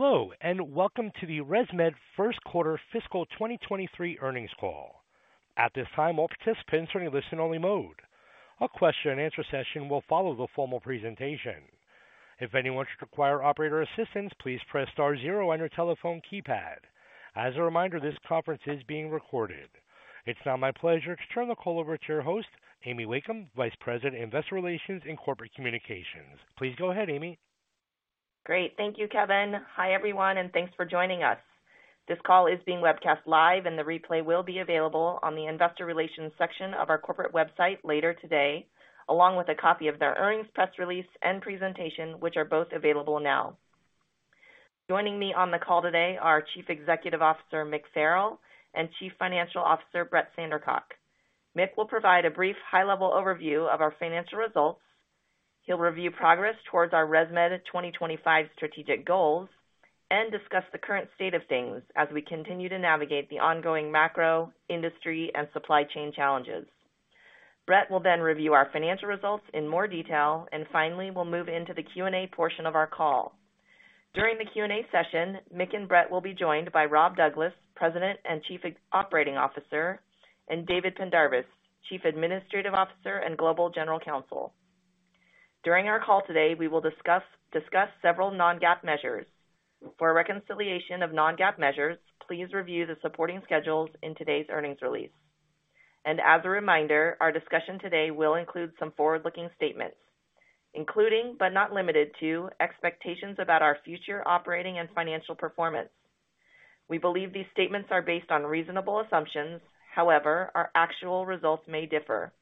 Hello, and welcome to the ResMed First Quarter Fiscal 2023 Earnings Call. At this time, all participants are in listen only mode. A Q&A will follow the formal presentation. If anyone should require operator assistance, please press star zero on your telephone keypad. As a reminder, this conference is being recorded. It's now my pleasure to turn the call over to your host, Amy Wakeham, Vice President, Investor Relations and Corporate Communications. Please go ahead, Amy. Great. Thank you, Kevin. Hi, everyone, and thanks for joining us. This call is being webcast live and the replay will be available on the investor relations section of our corporate website later today, along with a copy of the earnings press release and presentation, which are both available now. Joining me on the call today are Chief Executive Officer, Mick Farrell, and Chief Financial Officer, Brett Sandercock. Mick will provide a brief high-level overview of our financial results. He'll review progress towards our ResMed 2025 strategic goals and discuss the current state of things as we continue to navigate the ongoing macro, industry and supply chain challenges. Brett will then review our financial results in more detail, and finally, we'll move into the Q&A portion of our call. During the Q&A session, Mick and Brett will be joined by Rob Douglas, President and Chief Operating Officer, and David Pendarvis, Chief Administrative Officer and Global General Counsel. During our call today, we will discuss several non-GAAP measures. For a reconciliation of non-GAAP measures, please review the supporting schedules in today's earnings release. As a reminder, our discussion today will include some forward-looking statements, including, but not limited to expectations about our future operating and financial performance. We believe these statements are based on reasonable assumptions. However, our actual results may differ.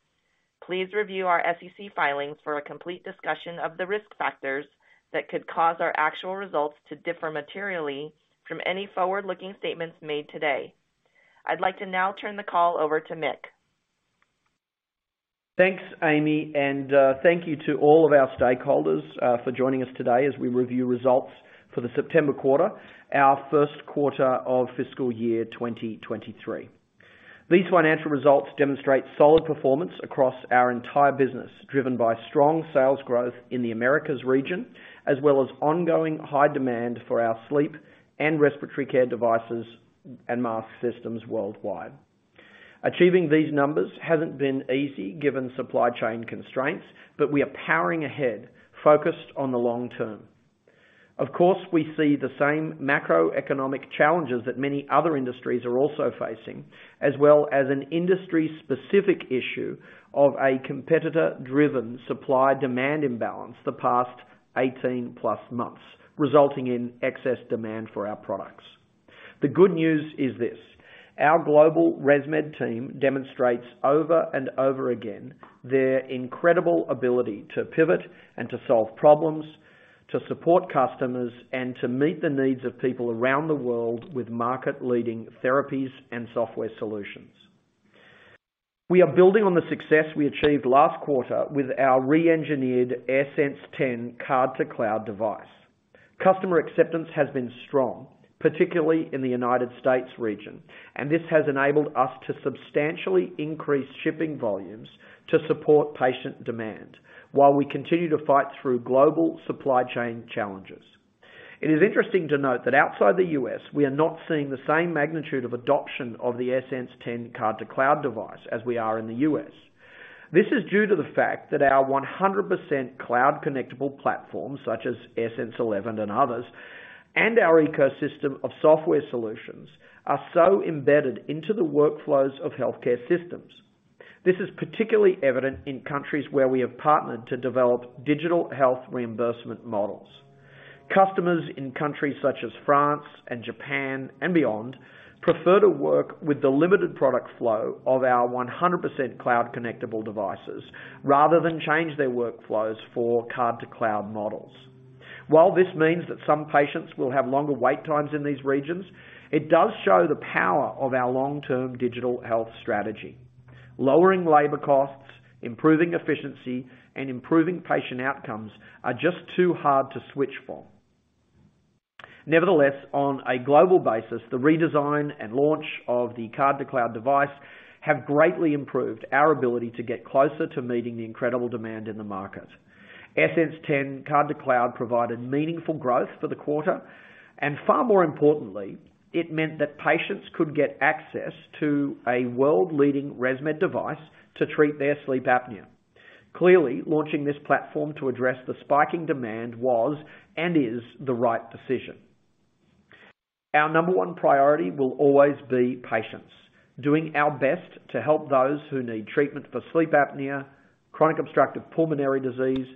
Please review our SEC filings for a complete discussion of the risk factors that could cause our actual results to differ materially from any forward-looking statements made today. I'd like to now turn the call over to Mick. Thanks, Amy. Thank you to all of our stakeholders for joining us today as we review results for the September quarter, our first quarter of fiscal year 2023. These financial results demonstrate solid performance across our entire business, driven by strong sales growth in the Americas region, as well as ongoing high demand for our sleep and respiratory care devices and mask systems worldwide. Achieving these numbers hasn't been easy given supply chain constraints, but we are powering ahead, focused on the long term. Of course, we see the same macroeconomic challenges that many other industries are also facing, as well as an industry-specific issue of a competitor-driven supply-demand imbalance the past +18 months, resulting in excess demand for our products. The good news is this. Our global ResMed team demonstrates over and over again their incredible ability to pivot and to solve problems, to support customers, and to meet the needs of people around the world with market leading therapies and software solutions. We are building on the success we achieved last quarter with our re-engineered AirSense 10 Card-to-Cloud device. Customer acceptance has been strong, particularly in the United States region, and this has enabled us to substantially increase shipping volumes to support patient demand while we continue to fight through global supply chain challenges. It is interesting to note that outside the U.S., we are not seeing the same magnitude of adoption of the AirSense 10 Card-to-Cloud device as we are in the U.S.. This is due to the fact that our 100% cloud connectable platforms, such as AirSense 11 and others, and our ecosystem of software solutions are so embedded into the workflows of healthcare systems. This is particularly evident in countries where we have partnered to develop digital health reimbursement models. Customers in countries such as France and Japan and beyond prefer to work with the limited product flow of our 100% cloud connectable devices rather than change their workflows for Card-to-Cloud models. While this means that some patients will have longer wait times in these regions, it does show the power of our long term digital health strategy. Lowering labor costs, improving efficiency, and improving patient outcomes are just too hard to switch for. Nevertheless, on a global basis, the redesign and launch of the Card-to-Cloud device have greatly improved our ability to get closer to meeting the incredible demand in the market. AirSense 10 Card-to-Cloud provided meaningful growth for the quarter, and far more importantly, it meant that patients could get access to a world leading ResMed device to treat their sleep apnea. Clearly, launching this platform to address the spiking demand was and is the right decision. Our number one priority will always be patients. Doing our best to help those who need treatment for sleep apnea, chronic obstructive pulmonary disease,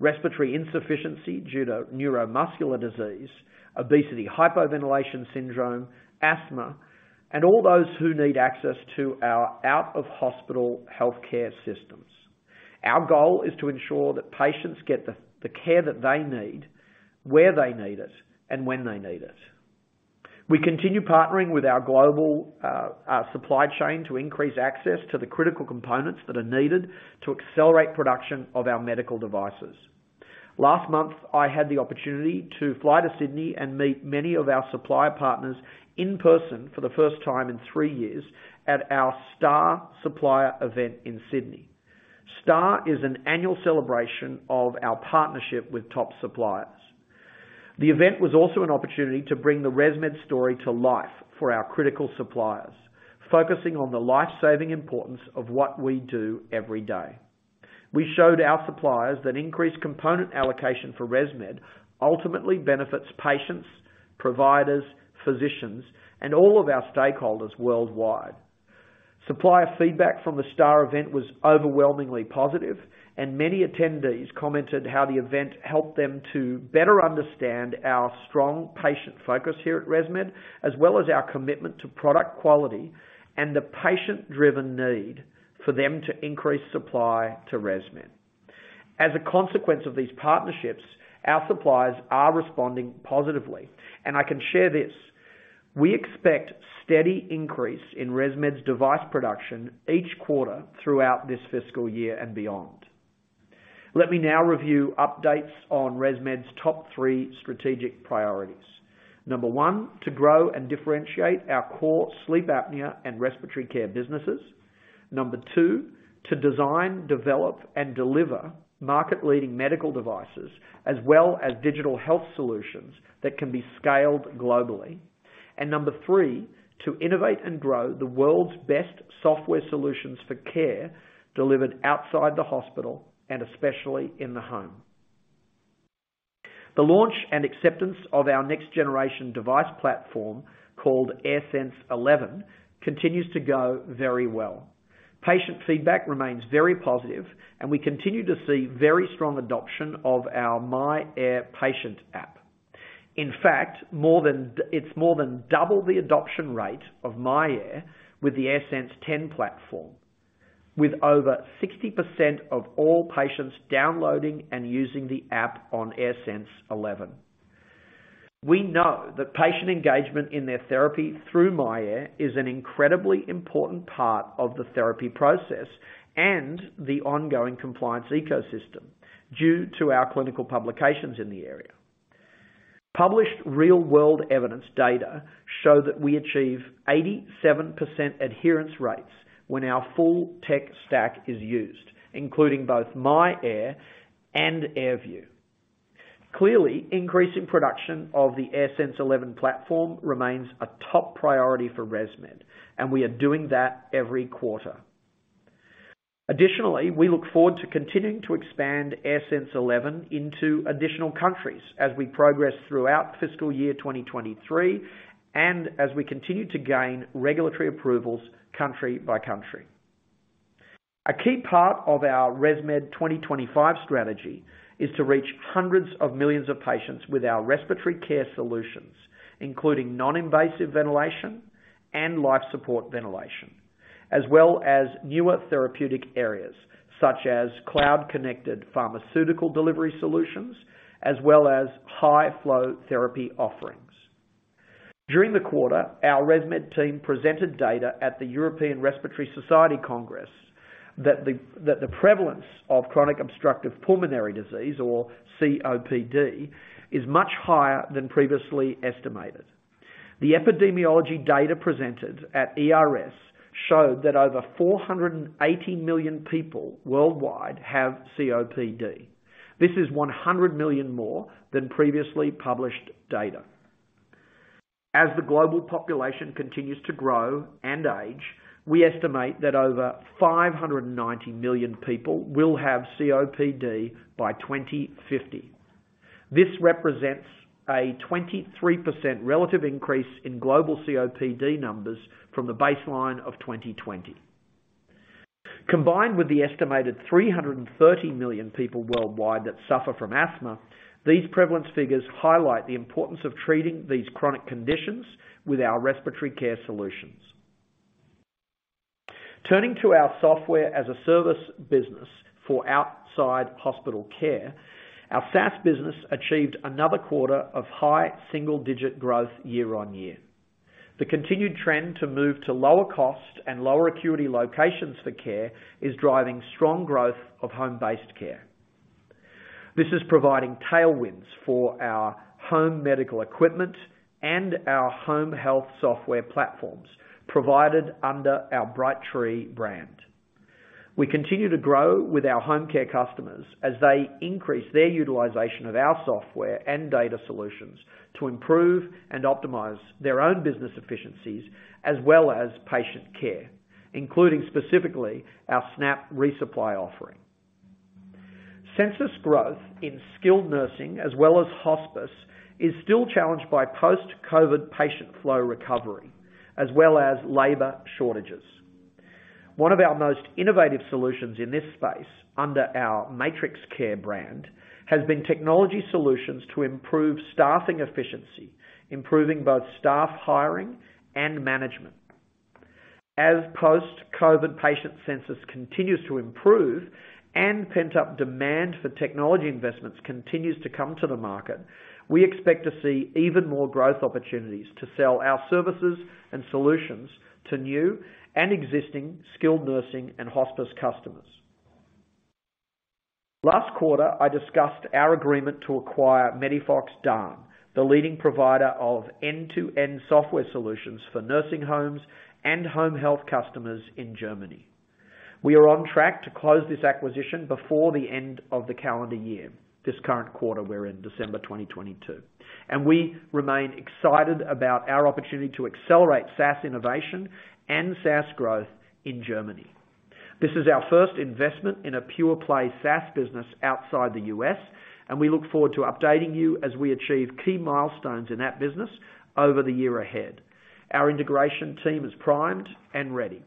respiratory insufficiency due to neuromuscular disease, obesity, hypoventilation syndrome, asthma, and all those who need access to our out-of-hospital healthcare systems. Our goal is to ensure that patients get the care that they need, where they need it, and when they need it. We continue partnering with our global supply chain to increase access to the critical components that are needed to accelerate production of our medical devices. Last month, I had the opportunity to fly to Sydney and meet many of our supplier partners in person for the first time in three years at our STAR Supplier event in Sydney. STAR is an annual celebration of our partnership with top suppliers. The event was also an opportunity to bring the ResMed story to life for our critical suppliers, focusing on the life-saving importance of what we do every day. We showed our suppliers that increased component allocation for ResMed ultimately benefits patients, providers, physicians, and all of our stakeholders worldwide. Supplier feedback from the STAR event was overwhelmingly positive, and many attendees commented how the event helped them to better understand our strong patient focus here at ResMed, as well as our commitment to product quality and the patient-driven need for them to increase supply to ResMed. As a consequence of these partnerships, our suppliers are responding positively. I can share this: We expect steady increase in ResMed's device production each quarter throughout this fiscal year and beyond. Let me now review updates on ResMed's top three strategic priorities. Number one, to grow and differentiate our core sleep apnea and respiratory care businesses. Number two, to design, develop, and deliver market-leading medical devices, as well as digital health solutions that can be scaled globally. Number three, to innovate and grow the world's best software solutions for care delivered outside the hospital, and especially in the home. The launch and acceptance of our next generation device platform, called AirSense 11, continues to go very well. Patient feedback remains very positive, and we continue to see very strong adoption of our myAir patient app. In fact, it's more than double the adoption rate of myAir with the AirSense 10 platform, with over 60% of all patients downloading and using the app on AirSense 11. We know that patient engagement in their therapy through myAir is an incredibly important part of the therapy process and the ongoing compliance ecosystem due to our clinical publications in the area. Published real-world evidence data show that we achieve 87% adherence rates when our full tech stack is used, including both myAir and AirView. Clearly, increasing production of the AirSense 11 platform remains a top priority for ResMed, and we are doing that every quarter. Additionally, we look forward to continuing to expand AirSense 11 into additional countries as we progress throughout fiscal year 2023, and as we continue to gain regulatory approvals country by country. A key part of our ResMed 2025 strategy is to reach hundreds of millions of patients with our respiratory care solutions, including non-invasive ventilation and life support ventilation, as well as newer therapeutic areas such as cloud-connected pharmaceutical delivery solutions, as well as high-flow therapy offerings. During the quarter, our ResMed team presented data at the European Respiratory Society Congress that the prevalence of chronic obstructive pulmonary disease or COPD is much higher than previously estimated. The epidemiology data presented at ERS showed that over 480 million people worldwide have COPD. This is 100 million more than previously published data. As the global population continues to grow and age, we estimate that over 590 million people will have COPD by 2050. This represents a 23% relative increase in global COPD numbers from the baseline of 2020. Combined with the estimated 330 million people worldwide that suffer from asthma, these prevalence figures highlight the importance of treating these chronic conditions with our respiratory care solutions. Turning to our software as a service business for outside hospital care. Our SaaS business achieved another quarter of high single-digit growth YoY. The continued trend to move to lower cost and lower acuity locations for care is driving strong growth of home-based care. This is providing tailwinds for our home medical equipment and our home health software platforms provided under our Brightree brand. We continue to grow with our home care customers as they increase their utilization of our software and data solutions to improve and optimize their own business efficiencies as well as patient care, including specifically our SNAP Resupply offering. Census growth in skilled nursing as well as hospice is still challenged by post-COVID patient flow recovery as well as labor shortages. One of our most innovative solutions in this space, under our MatrixCare brand, has been technology solutions to improve staffing efficiency, improving both staff hiring and management. As post-COVID patient census continues to improve and pent-up demand for technology investments continues to come to the market, we expect to see even more growth opportunities to sell our services and solutions to new and existing skilled nursing and hospice customers. Last quarter, I discussed our agreement to acquire MEDIFOX DAN, the leading provider of end-to-end software solutions for nursing homes and home health customers in Germany. We are on track to close this acquisition before the end of the calendar year, this current quarter we're in December 2022. We remain excited about our opportunity to accelerate SaaS innovation and SaaS growth in Germany. This is our first investment in a pure play SaaS business outside the U.S., and we look forward to updating you as we achieve key milestones in that business over the year ahead. Our integration team is primed and ready.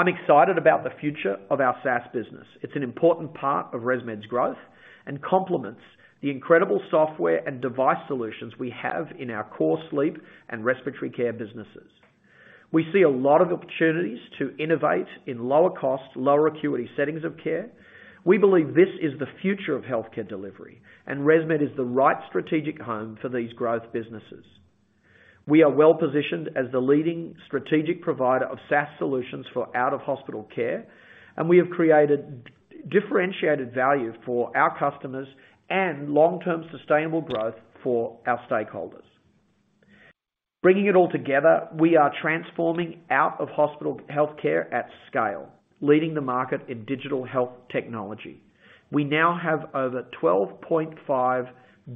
I'm excited about the future of our SaaS business. It's an important part of ResMed's growth and complements the incredible software and device solutions we have in our core sleep and respiratory care businesses. We see a lot of opportunities to innovate in lower cost, lower acuity settings of care. We believe this is the future of healthcare delivery, and ResMed is the right strategic home for these growth businesses. We are well positioned as the leading strategic provider of SaaS solutions for out-of-hospital care, and we have created differentiated value for our customers and long-term sustainable growth for our stakeholders. Bringing it all together, we are transforming out-of-hospital healthcare at scale, leading the market in digital health technology. We now have over 12.5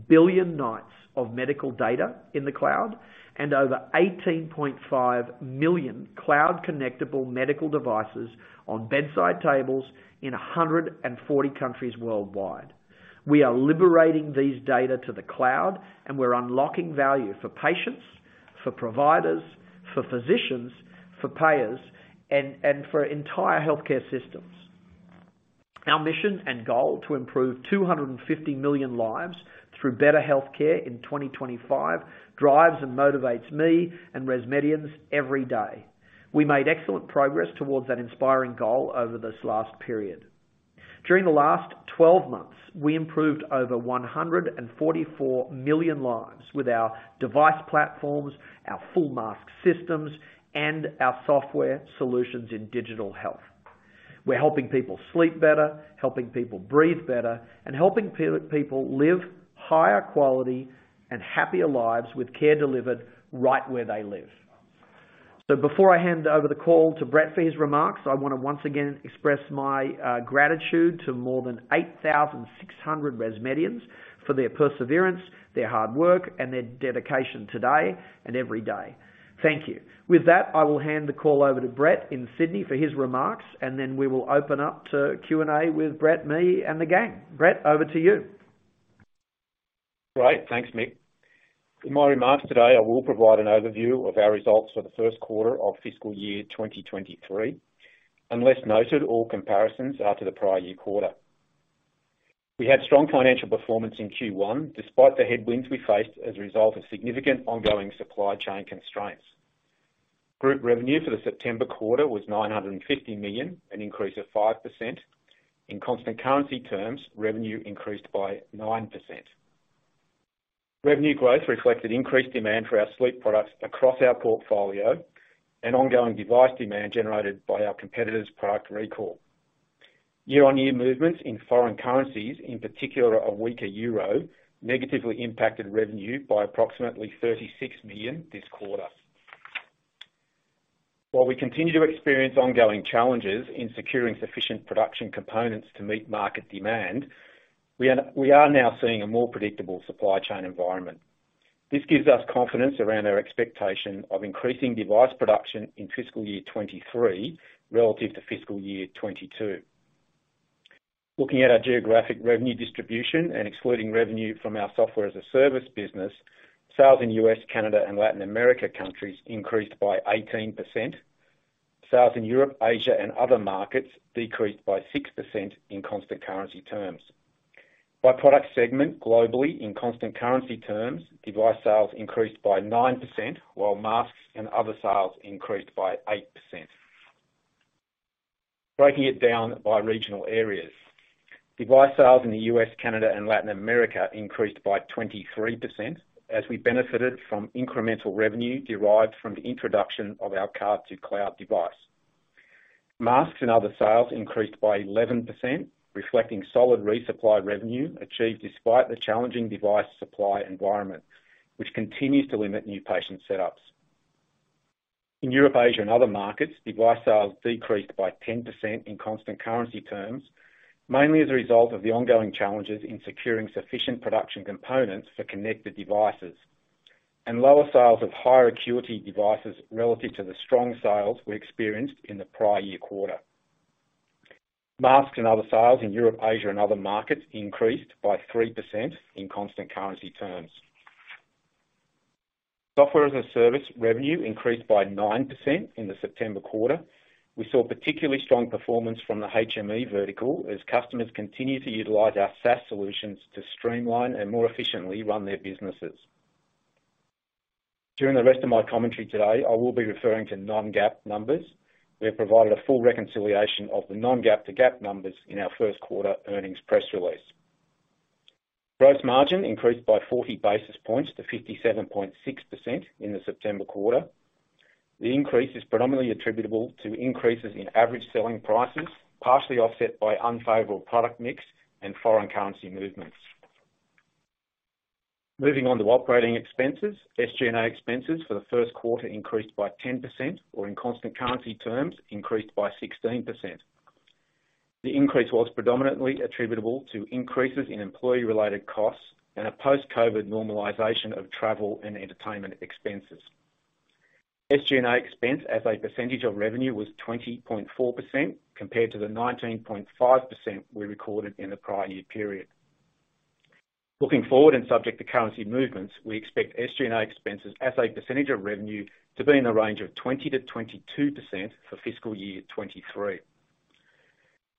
billion nights of medical data in the cloud and over 18.5 million cloud connectable medical devices on bedside tables in 140 countries worldwide. We are liberating these data to the cloud, and we're unlocking value for patients, for providers, for physicians, for payers, and for entire healthcare systems. Our mission and goal to improve 250 million lives through better health care in 2025 drives and motivates me and ResMedians every day. We made excellent progress towards that inspiring goal over this last period. During the last 12 months, we improved over 144 million lives with our device platforms, our full mask systems, and our software solutions in digital health. We're helping people sleep better, helping people breathe better, and helping people live higher quality and happier lives with care delivered right where they live. Before I hand over the call to Brett for his remarks, I wanna once again express my gratitude to more than 8,600 ResMedians for their perseverance, their hard work, and their dedication today and every day. Thank you. With that, I will hand the call over to Brett in Sydney for his remarks, and then we will open up to Q&A with Brett, me and the gang. Brett, over to you. Great. Thanks, Mick. In my remarks today, I will provide an overview of our results for the first quarter of fiscal year 2023. Unless noted, all comparisons are to the prior year quarter. We had strong financial performance in Q1, despite the headwinds we faced as a result of significant ongoing supply chain constraints. Group revenue for the September quarter was $950 million, an increase of 5%. In constant currency terms, revenue increased by 9%. Revenue growth reflected increased demand for our sleep products across our portfolio and ongoing device demand generated by our competitor's product recall. YoY movements in foreign currencies, in particular a weaker euro, negatively impacted revenue by approximately $36 million this quarter. While we continue to experience ongoing challenges in securing sufficient production components to meet market demand, we are now seeing a more predictable supply chain environment. This gives us confidence around our expectation of increasing device production in fiscal year 2023 relative to fiscal year 2022. Looking at our geographic revenue distribution and excluding revenue from our software as a service business, sales in U.S., Canada and Latin America countries increased by 18%. Sales in Europe, Asia and other markets decreased by 6% in constant currency terms. By product segment globally, in constant currency terms, device sales increased by 9%, while masks and other sales increased by 8%. Breaking it down by regional areas. Device sales in the U.S., Canada and Latin America increased by 23% as we benefited from incremental revenue derived from the introduction of our Card-to-Cloud device. Masks and other sales increased by 11%, reflecting solid resupply revenue achieved despite the challenging device supply environment, which continues to limit new patient setups. In Europe, Asia and other markets, device sales decreased by 10% in constant currency terms, mainly as a result of the ongoing challenges in securing sufficient production components for connected devices and lower sales of higher acuity devices relative to the strong sales we experienced in the prior year quarter. Masks and other sales in Europe, Asia and other markets increased by 3% in constant currency terms. Software as a Service revenue increased by 9% in the September quarter. We saw particularly strong performance from the HME vertical as customers continued to utilize our SaaS solutions to streamline and more efficiently run their businesses. During the rest of my commentary today, I will be referring to non-GAAP numbers. We have provided a full reconciliation of the non-GAAP to GAAP numbers in our first quarter earnings press release. Gross margin increased by 40 basis points to 57.6% in the September quarter. The increase is predominantly attributable to increases in average selling prices, partially offset by unfavorable product mix and foreign currency movements. Moving on to operating expenses. SG&A expenses for the first quarter increased by 10% or in constant currency terms, increased by 16%. The increase was predominantly attributable to increases in employee related costs and a post-Covid normalization of travel and entertainment expenses. SG&A expense as a percentage of revenue was 20.4% compared to the 19.5% we recorded in the prior year period. Looking forward and subject to currency movements, we expect SG&A expenses as a percentage of revenue to be in the range of 20%-22% for fiscal year 2023.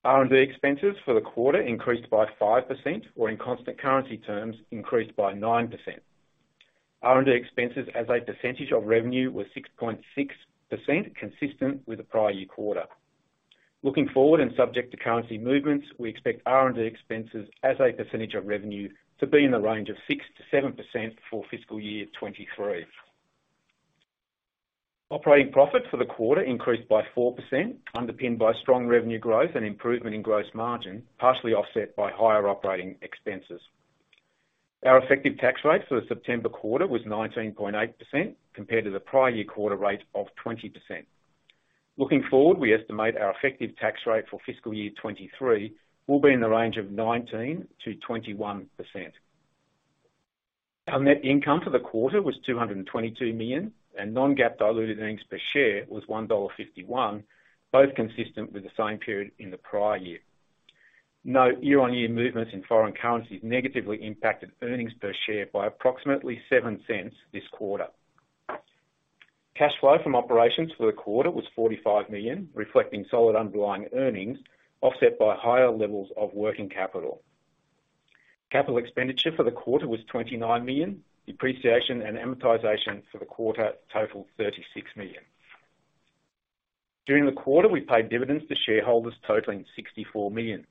R&D expenses for the quarter increased by 5% or in constant currency terms, increased by 9%. R&D expenses as a percentage of revenue were 6.6%, consistent with the prior year quarter. Looking forward and subject to currency movements, we expect R&D expenses as a percentage of revenue to be in the range of 6%-7% for fiscal year 2023. Operating profit for the quarter increased by 4%, underpinned by strong revenue growth and improvement in gross margin, partially offset by higher operating expenses. Our effective tax rate for the September quarter was 19.8% compared to the prior year quarter rate of 20%. Looking forward, we estimate our effective tax rate for fiscal year 2023 will be in the range of 19%-21%. Our net income for the quarter was $222 million, and non-GAAP diluted EPS was $1.51, both consistent with the same period in the prior year. Note, YoY movements in foreign currencies negatively impacted EPS by approximately $0.07 this quarter. Cash flow from operations for the quarter was $45 million, reflecting solid underlying earnings offset by higher levels of working capital. CapEx for the quarter was $29 million. Depreciation and amortization for the quarter totaled $36 million. During the quarter, we paid dividends to shareholders totaling $64 million.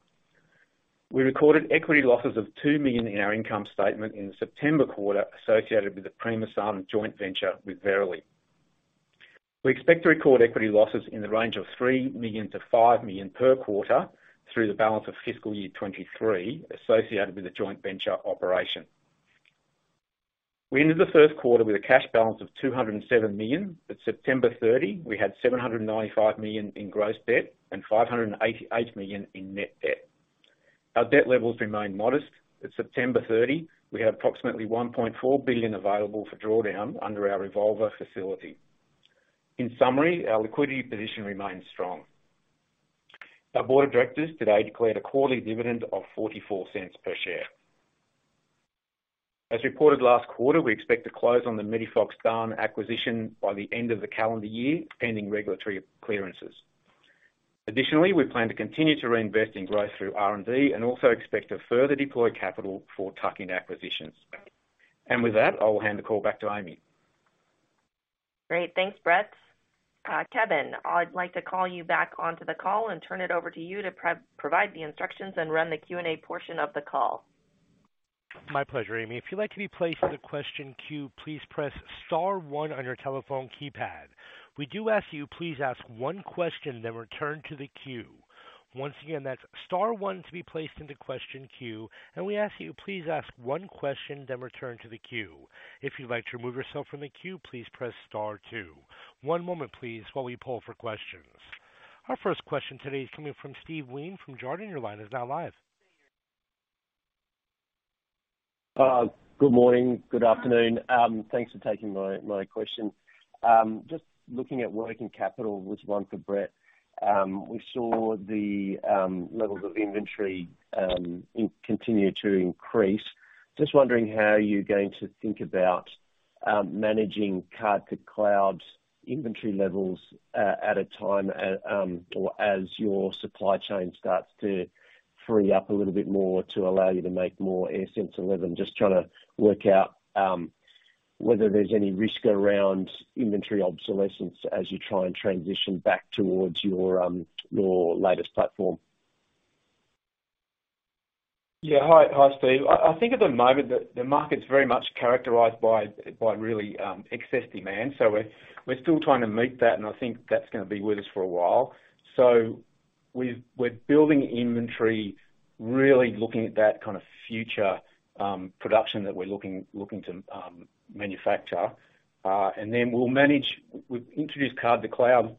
We recorded equity losses of $2 million in our income statement in the September quarter associated with the Primasun joint venture with Verily. We expect to record equity losses in the range of $3 million-$5 million per quarter through the balance of fiscal year 2023 associated with the joint venture operation. We ended the first quarter with a cash balance of $207 million. At September 30, we had $795 million in gross debt and $588 million in net debt. Our debt levels remain modest. At September 30, we have approximately $1.4 billion available for drawdown under our revolver facility. In summary, our liquidity position remains strong. Our board of directors today declared a quarterly dividend of $0.44 per share. As reported last quarter, we expect to close on the MEDIFOX DAN acquisition by the end of the calendar year, pending regulatory clearances. Additionally, we plan to continue to reinvest in growth through R&D and also expect to further deploy capital for tuck-in acquisitions. With that, I'll hand the call back to Amy. Great. Thanks, Brett. Kevin, I'd like to call you back onto the call and turn it over to you to provide the instructions and run the Q&A portion of the call. My pleasure, Amy. If you'd like to be placed in the question queue, please press star one on your telephone keypad. We do ask you, please ask one question, then return to the queue. Once again, that's star one to be placed into question queue. We ask you, please ask one question, then return to the queue. If you'd like to remove yourself from the queue, please press star two. One moment, please, while we poll for questions. Our first question today is coming from Steve Wheen from Jarden. Your line is now live. Good morning. Good afternoon. Thanks for taking my question. Just looking at working capital question for Brett. We saw the levels of inventory continue to increase. Just wondering how you're going to think about managing Card-to-Cloud inventory levels at a time or as your supply chain starts to free up a little bit more to allow you to make more AirSense 11. Just trying to work out whether there's any risk around inventory obsolescence as you try and transition back towards your latest platform. Yeah. Hi, Steve. I think at the moment the market's very much characterized by really excess demand. We're still trying to meet that, and I think that's gonna be with us for a while. We're building inventory, really looking at that kind of future production that we're looking to manufacture. We'll manage. We've introduced Card-to-Cloud,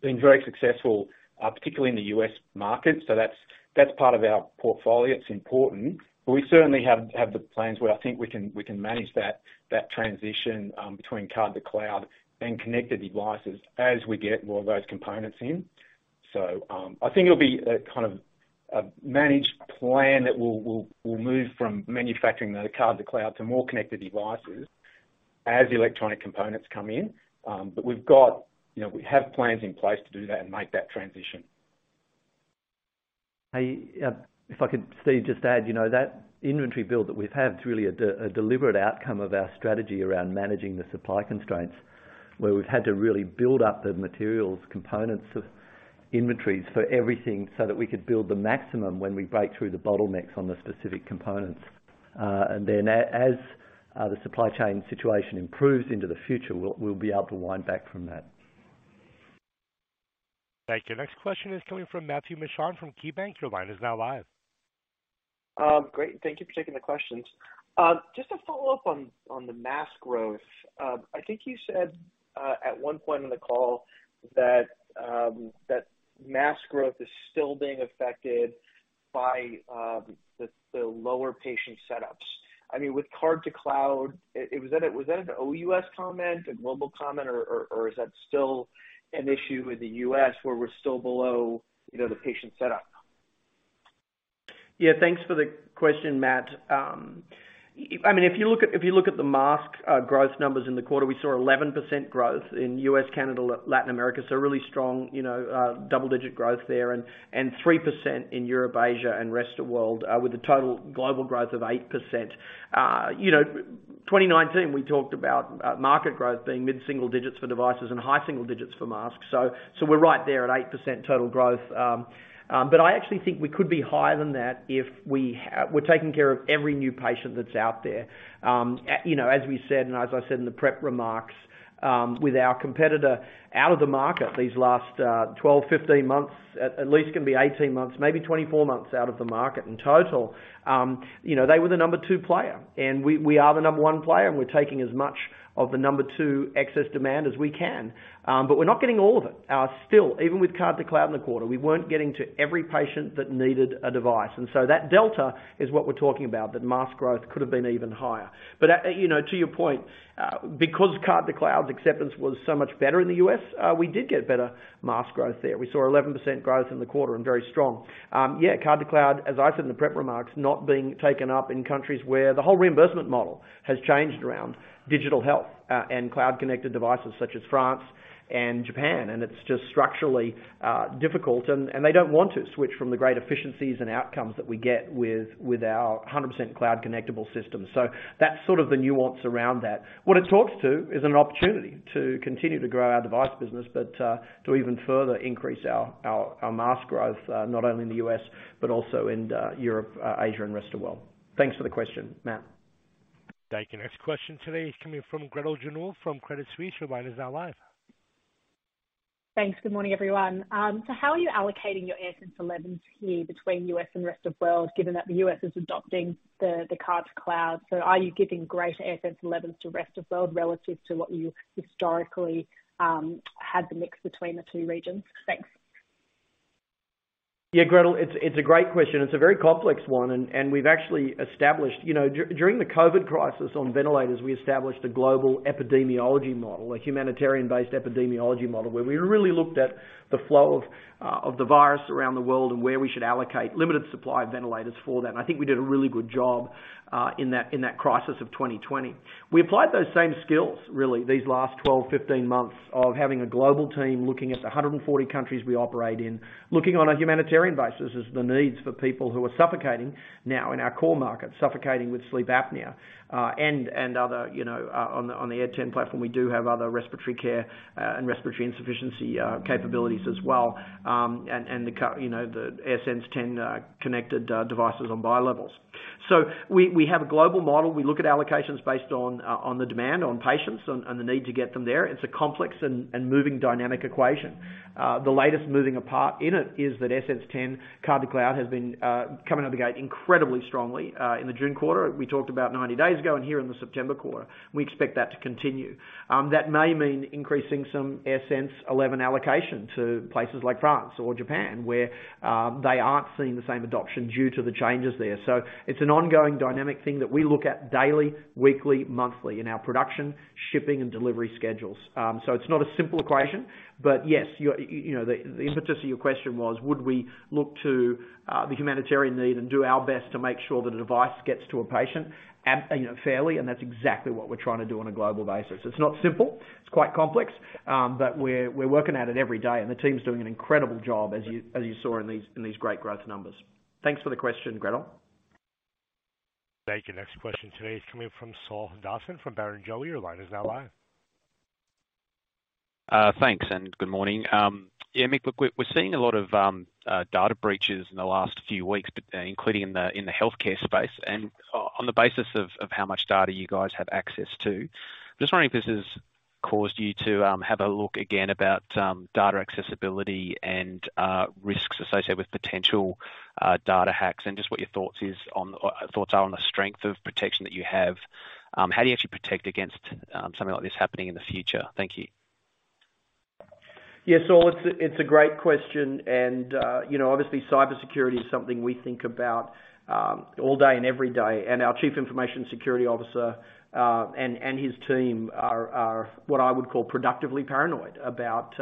been very successful, particularly in the U.S. market. That's part of our portfolio. It's important. We certainly have the plans where I think we can manage that transition between Card-to-Cloud and connected devices as we get more of those components in. I think it'll be a kind of a managed plan that we'll move from manufacturing the Card-to-Cloud to more connected devices as electronic components come in. We've got, you know, we have plans in place to do that and make that transition. Hey, if I could, Steve, just add, you know, that inventory build that we've had is really a deliberate outcome of our strategy around managing the supply constraints, where we've had to really build up the materials components of Inventories for everything so that we could build the maximum when we break through the bottlenecks on the specific components. As the supply chain situation improves into the future, we'll be able to wind back from that. Thank you. Next question is coming from Matt Miksic from KeyBanc. Your line is now live. Great. Thank you for taking the questions. Just a follow-up on the mask growth. I think you said at one point in the call that mask growth is still being affected by the lower patient setups. I mean, with Card-to-Cloud, was that a U.S. comment, a global comment, or is that still an issue with the U.S. where we're still below, you know, the patient setup? Yeah, thanks for the question, Matt. I mean, if you look at the mask growth numbers in the quarter, we saw 11% growth in U.S., Canada, Latin America. Really strong, you know, double-digit growth there and 3% in Europe, Asia and rest of world, with the total global growth of 8%. You know, 2019, we talked about market growth being mid-single digits for devices and high single digits for masks. We're right there at 8% total growth. But I actually think we could be higher than that if we're taking care of every new patient that's out there. You know, as we said, and as I said in the prep remarks, with our competitor out of the market these last 12 months-15 months, at least it can be 18 months, maybe 24 months out of the market in total. You know, they were the number two player, and we are the number one player, and we're taking as much of the number two excess demand as we can. We're not getting all of it. Still, even with Card-to-Cloud in the quarter, we weren't getting to every patient that needed a device. That delta is what we're talking about, that mask growth could have been even higher. You know, to your point, because Card-to-Cloud's acceptance was so much better in the U.S., we did get better mask growth there. We saw 11% growth in the quarter and very strong. Card-to-Cloud, as I said in the prepared remarks, not being taken up in countries where the whole reimbursement model has changed around digital health and cloud-connected devices such as France and Japan, and it's just structurally difficult and they don't want to switch from the great efficiencies and outcomes that we get with our 100% cloud-connectable system. That's sort of the nuance around that. What it talks to is an opportunity to continue to grow our device business, but to even further increase our mask growth, not only in the U.S., but also in Europe, Asia and rest of world. Thanks for the question, Matt. Thank you. Next question today is coming from Gretel Janu from Credit Suisse. Your line is now live. Thanks. Good morning, everyone. How are you allocating your AirSense 11 here between U.S. and rest of world, given that the U.S. is adopting the Card-to-Cloud? Are you giving greater AirSense 11s to rest of world relative to what you historically had the mix between the two regions? Thanks. Yeah, Gretel, it's a great question. It's a very complex one. We've actually established you know, during the COVID crisis on ventilators, we established a global epidemiology model, a humanitarian-based epidemiology model, where we really looked at the flow of the virus around the world and where we should allocate limited supply of ventilators for that. I think we did a really good job in that crisis of 2020. We applied those same skills, really, these last 12, 15 months of having a global team looking at the 140 countries we operate in, looking on a humanitarian basis as the needs for people who are suffocating now in our core markets, suffocating with sleep apnea, and other, you know, on the AirSense 10 platform, we do have other respiratory care, and respiratory insufficiency, capabilities as well. You know, the AirSense 10 connected devices on bilevel. We have a global model. We look at allocations based on the demand on patients and the need to get them there. It's a complex and moving dynamic equation. The latest moving part in it is that AirSense 10 Card-to-Cloud has been coming out of the gate incredibly strongly in the June quarter we talked about 90 days ago, and here in the September quarter. We expect that to continue. That may mean increasing some AirSense 11 allocation to places like France or Japan, where they aren't seeing the same adoption due to the changes there. It's an ongoing dynamic thing that we look at daily, weekly, monthly in our production, shipping and delivery schedules. It's not a simple equation, but yes, you know, the impetus of your question was would we look to the humanitarian need and do our best to make sure that a device gets to a patient, you know, fairly, and that's exactly what we're trying to do on a global basis. It's not simple. It's quite complex. We're working at it every day, and the team is doing an incredible job as you saw in these great growth numbers. Thanks for the question, Gretel. Thank you. Next question today is coming from Saul Hadassin from Barrenjoey. Your line is now live. Thanks, and good morning. Yeah, Mick, look, we're seeing a lot of data breaches in the last few weeks, but including in the healthcare space. On the basis of how much data you guys have access to, I'm just wondering if this has caused you to have a look again about data accessibility and risks associated with potential data hacks, and just what your thoughts are on the strength of protection that you have. How do you actually protect against something like this happening in the future? Thank you. Yeah, Saul, it's a great question. You know, obviously cybersecurity is something we think about all day and every day. Our Chief Information Security Officer and his team are what I would call productively paranoid about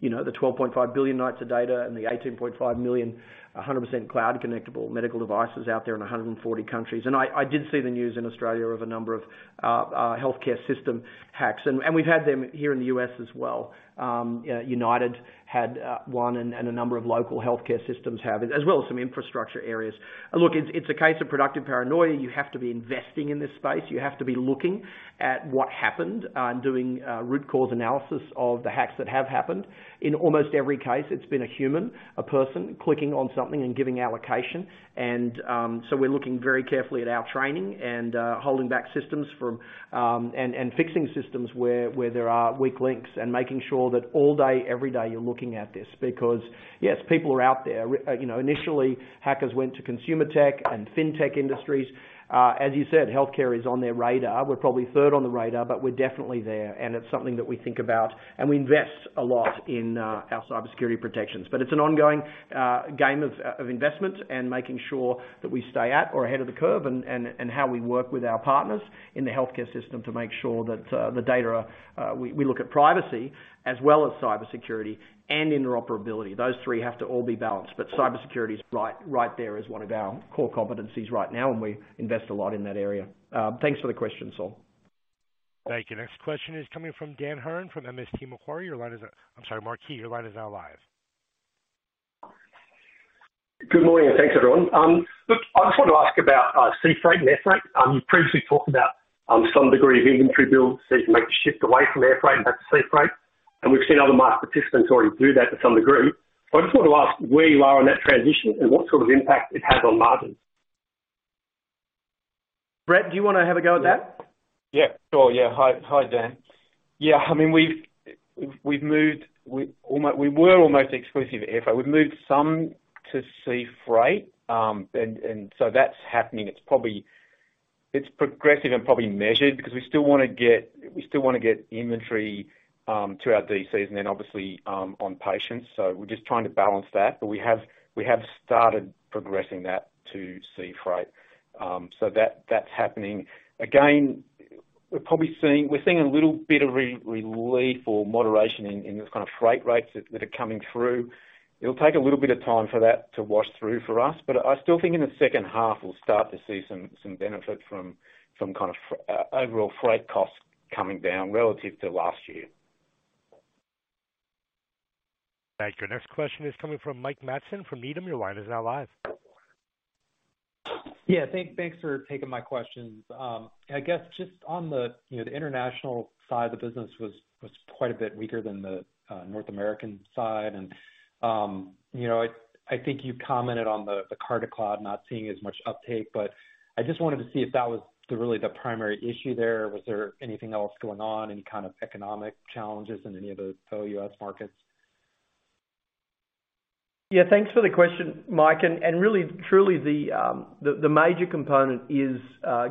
you know, the 12.5 billion nights of data and the 18.5 million 100% cloud connectable medical devices out there in 140 countries. I did see the news in Australia of a number of healthcare system hacks, and we've had them here in the U.S. as well. You know, UnitedHealth Group had one and a number of local healthcare systems have, as well as some infrastructure areas. Look, it's a case of productive paranoia. You have to be investing in this space. You have to be looking at what happened and doing root cause analysis of the hacks that have happened. In almost every case, it's been a human, a person clicking on something and giving access. We're looking very carefully at our training and fixing systems where there are weak links and making sure that all day, every day, you're looking at this because yes, people are out there. You know, initially hackers went to consumer tech and fintech industries. As you said, healthcare is on their radar. We're probably third on the radar, but we're definitely there, and it's something that we think about and we invest a lot in our cybersecurity protections. It's an ongoing game of investment and making sure that we stay at or ahead of the curve and how we work with our partners in the healthcare system to make sure that the data we look at privacy as well as cybersecurity and interoperability. Those three have to all be balanced, but cybersecurity is right there as one of our core competencies right now, and we invest a lot in that area. Thanks for the question, Saul. Thank you. Next question is coming from Dan Hurren from MST Marquee. I'm sorry, MST Marquee, your line is now live. Good morning, and thanks everyone. Look, I just want to ask about sea freight and air freight. You've previously talked about some degree of inventory build, so you can make the shift away from air freight back to sea freight. We've seen other market participants already do that to some degree. I just want to ask where you are on that transition and what sort of impact it has on margins. Brett, do you wanna have a go at that? Hi, Dan. I mean, we've moved. We were almost exclusive air freight. We've moved some to sea freight. That's happening. It's progressive and probably measured because we still wanna get inventory to our DCs and then obviously to patients. We're just trying to balance that. We have started progressing that to sea freight. That's happening. Again, we're probably seeing a little bit of relief or moderation in those kind of freight rates that are coming through. It'll take a little bit of time for that to wash through for us, but I still think in the second half, we'll start to see some benefit from some kind of overall freight costs coming down relative to last year. Thank you. Next question is coming from Mike Matson from Needham. Your line is now live. Yeah. Thanks for taking my questions. I guess just on the, you know, the international side of the business was quite a bit weaker than the North American side. You know, I think you commented on the Card-to-Cloud not seeing as much uptake, but I just wanted to see if that was really the primary issue there. Was there anything else going on, any kind of economic challenges in any of the OUS markets? Yeah, thanks for the question, Mike. Really truly, the major component is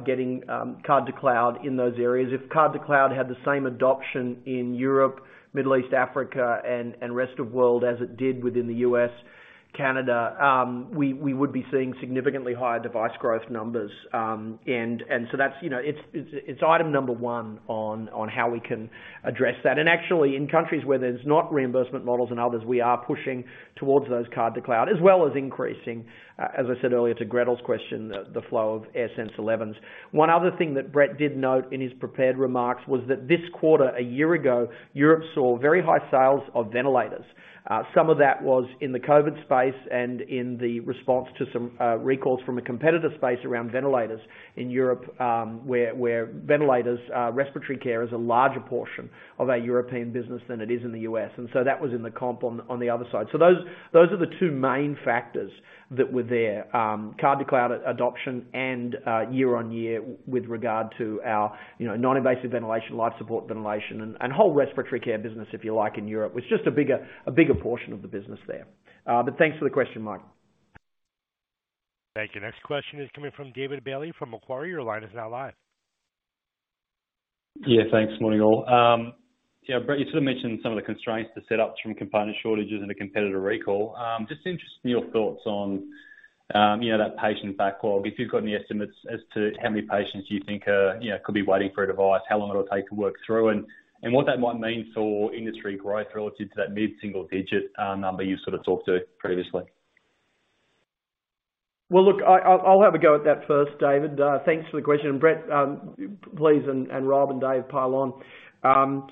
getting Card-to-Cloud in those areas. If Card-to-Cloud had the same adoption in Europe, Middle East, Africa and rest of world as it did within the U.S., Canada, we would be seeing significantly higher device growth numbers. That's, you know, it's item number one on how we can address that. Actually, in countries where there's not reimbursement models and others, we are pushing towards those Card-to-Cloud, as well as increasing, as I said earlier to Gretel's question, the flow of AirSense 11s. One other thing that Brett did note in his prepared remarks was that this quarter, a year ago, Europe saw very high sales of ventilators. Some of that was in the COVID space and in the response to some recalls from a competitive space around ventilators in Europe, where ventilators respiratory care is a larger portion of our European business than it is in the U.S. That was in the comp on the other side. Those are the two main factors that were there. Card-to-Cloud adoption and YoY with regard to our, you know, non-invasive ventilation, life support ventilation, and whole respiratory care business, if you like, in Europe. It's just a bigger portion of the business there. Thanks for the question, Mike. Thank you. Next question is coming from David Bailey, from Macquarie. Your line is now live. Yeah, thanks. Morning, all. Yeah, Brett, you sort of mentioned some of the supply constraints from component shortages and a competitor recall. Just interested in your thoughts on, you know, that patient backlog. If you've got any estimates as to how many patients you think, you know, could be waiting for a device, how long it'll take to work through and what that might mean for industry growth relative to that mid-single digit number you sort of talked to previously. Well, look, I'll have a go at that first, David. Thanks for the question. Brett, please and Rob and Dave, pile on. You know,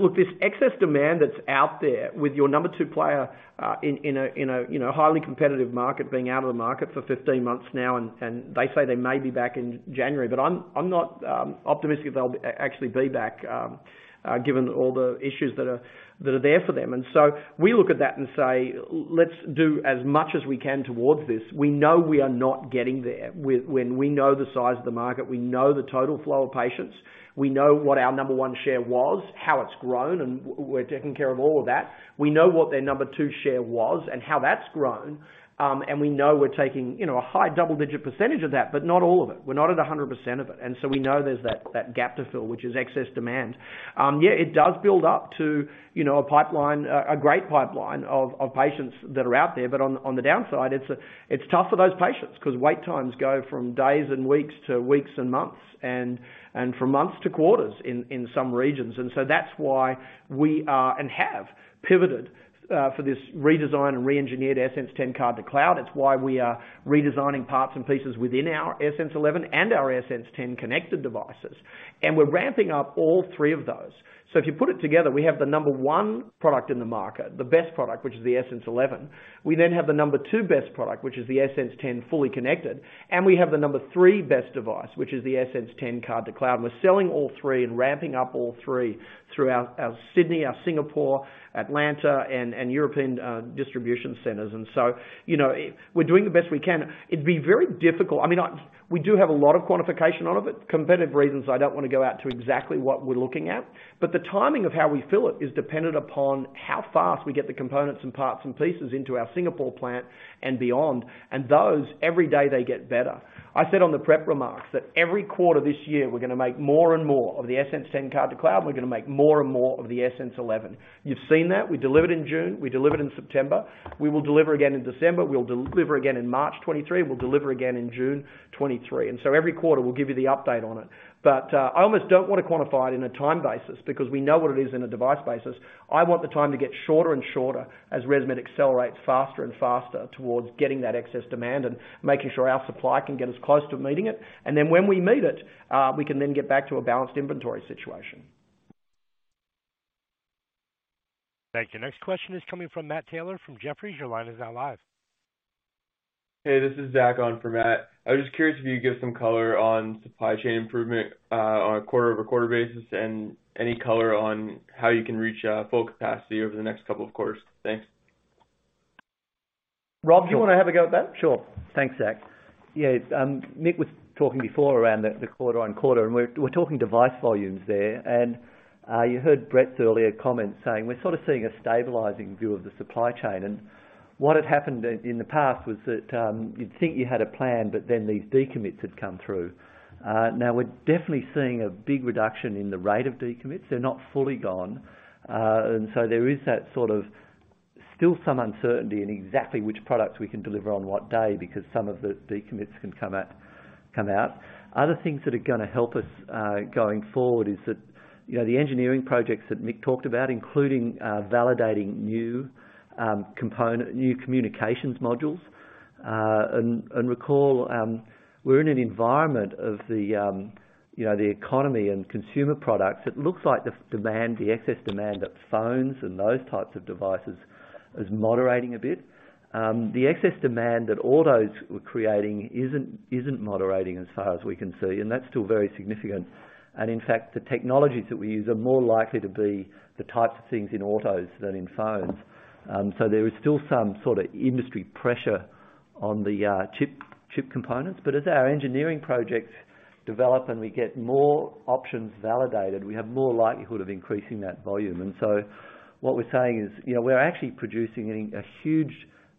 look, this excess demand that's out there with your number two player, in a highly competitive market, being out of the market for 15 months now, and they say they may be back in January, but I'm not optimistic they'll actually be back, given all the issues that are there for them. We look at that and say, "Let's do as much as we can towards this." We know we are not getting there. When we know the size of the market, we know the total flow of patients, we know what our number one share was, how it's grown, and we're taking care of all of that. We know what their number two share was and how that's grown, and we know we're taking, you know, a high double-digit percentage of that, but not all of it. We're not at 100% of it. We know there's that gap to fill, which is excess demand. Yeah, it does build up to, you know, a pipeline, a great pipeline of patients that are out there. On the downside, it's tough for those patients 'cause wait times go from days and weeks to weeks and months and from months to quarters in some regions. That's why we are and have pivoted for this redesign and re-engineered AirSense 10 Card-to-Cloud. It's why we are redesigning parts and pieces within our AirSense 11 and our AirSense 10 connected devices. We're ramping up all three of those. If you put it together, we have the number one product in the market, the best product, which is the AirSense 11. We then have the number two best product, which is the AirSense 10 fully connected, and we have the number three best device, which is the AirSense 10 Card-to-Cloud. We're selling all three and ramping up all three throughout our Sydney, our Singapore, Atlanta and European distribution centers. You know, we're doing the best we can. It'd be very difficult. I mean, we do have a lot of quantification on it, but competitive reasons, I don't wanna go out to exactly what we're looking at. The timing of how we fill it is dependent upon how fast we get the components and parts and pieces into our Singapore plant and beyond. Those every day get better. I said on the prep remarks that every quarter this year, we're gonna make more and more of the AirSense 10 Card-to-Cloud, and we're gonna make more and more of the AirSense 11. You've seen that. We delivered in June. We delivered in September. We will deliver again in December. We'll deliver again in March 2023. We'll deliver again in June 2023. Every quarter we'll give you the update on it. I almost don't want to quantify it in a time basis because we know what it is in a device basis. I want the time to get shorter and shorter as ResMed accelerates faster and faster towards getting that excess demand and making sure our supply can get as close to meeting it. Then when we meet it, we can then get back to a balanced inventory situation. Thank you. Next question is coming from Matthew Taylor from Jefferies. Your line is now live. Hey, this is Zach on for Matt. I was just curious if you could give some color on supply chain improvement on a quarter-over-quarter basis and any color on how you can reach full capacity over the next couple of quarters. Thanks. Rob, do you wanna have a go at that? Sure. Thanks, Zach. Yes, Mick was talking before around the quarter-over-quarter, and we're talking device volumes there. You heard Brett's earlier comments saying we're sort of seeing a stabilizing view of the supply chain. What had happened in the past was that, you'd think you had a plan, but then these decommits would come through. Now we're definitely seeing a big reduction in the rate of decommits. They're not fully gone. There is that sort of still some uncertainty in exactly which products we can deliver on what day, because some of the decommits can come out. Other things that are gonna help us going forward is that, you know, the engineering projects that Mick talked about, including, validating new component, new communications modules. Recall we're in an environment of the, you know, the economy and consumer products. It looks like the demand, the excess demand that phones and those types of devices is moderating a bit. The excess demand that autos were creating isn't moderating as far as we can see, and that's still very significant. In fact, the technologies that we use are more likely to be the types of things in autos than in phones. So there is still some sort of industry pressure on the chip components. But as our engineering projects develop and we get more options validated, we have more likelihood of increasing that volume. What we're saying is, you know, we're actually producing a huge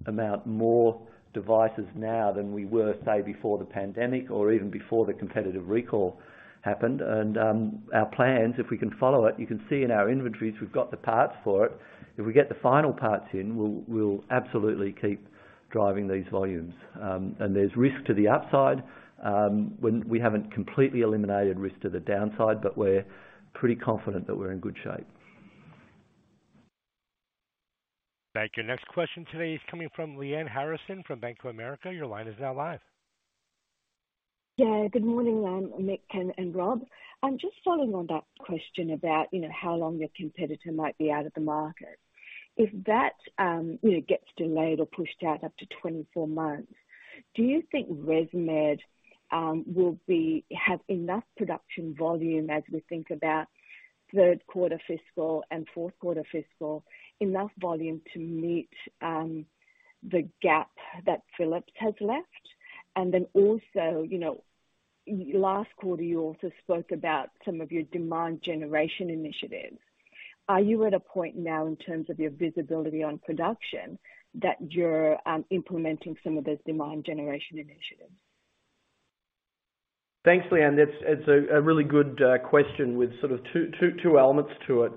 amount more devices now than we were, say, before the pandemic or even before the competitive recall happened. Our plans, if we can follow it, you can see in our inventories we've got the parts for it. If we get the final parts in, we'll absolutely keep driving these volumes. There's risk to the upside when we haven't completely eliminated risk to the downside, but we're pretty confident that we're in good shape. Thank you. Next question today is coming from Lyanne Harrison from Bank of America. Your line is now live. Yeah, good morning, Mick and Rob. I'm just following on that question about, you know, how long your competitor might be out of the market. If that, you know, gets delayed or pushed out up to 24 months, do you think ResMed will have enough production volume as we think about third quarter fiscal and fourth quarter fiscal, enough volume to meet the gap that Philips has left? Then also, you know, last quarter, you also spoke about some of your demand generation initiatives. Are you at a point now in terms of your visibility on production, that you're implementing some of those demand generation initiatives? Thanks, Lyanne. That's a really good question with sort of two elements to it.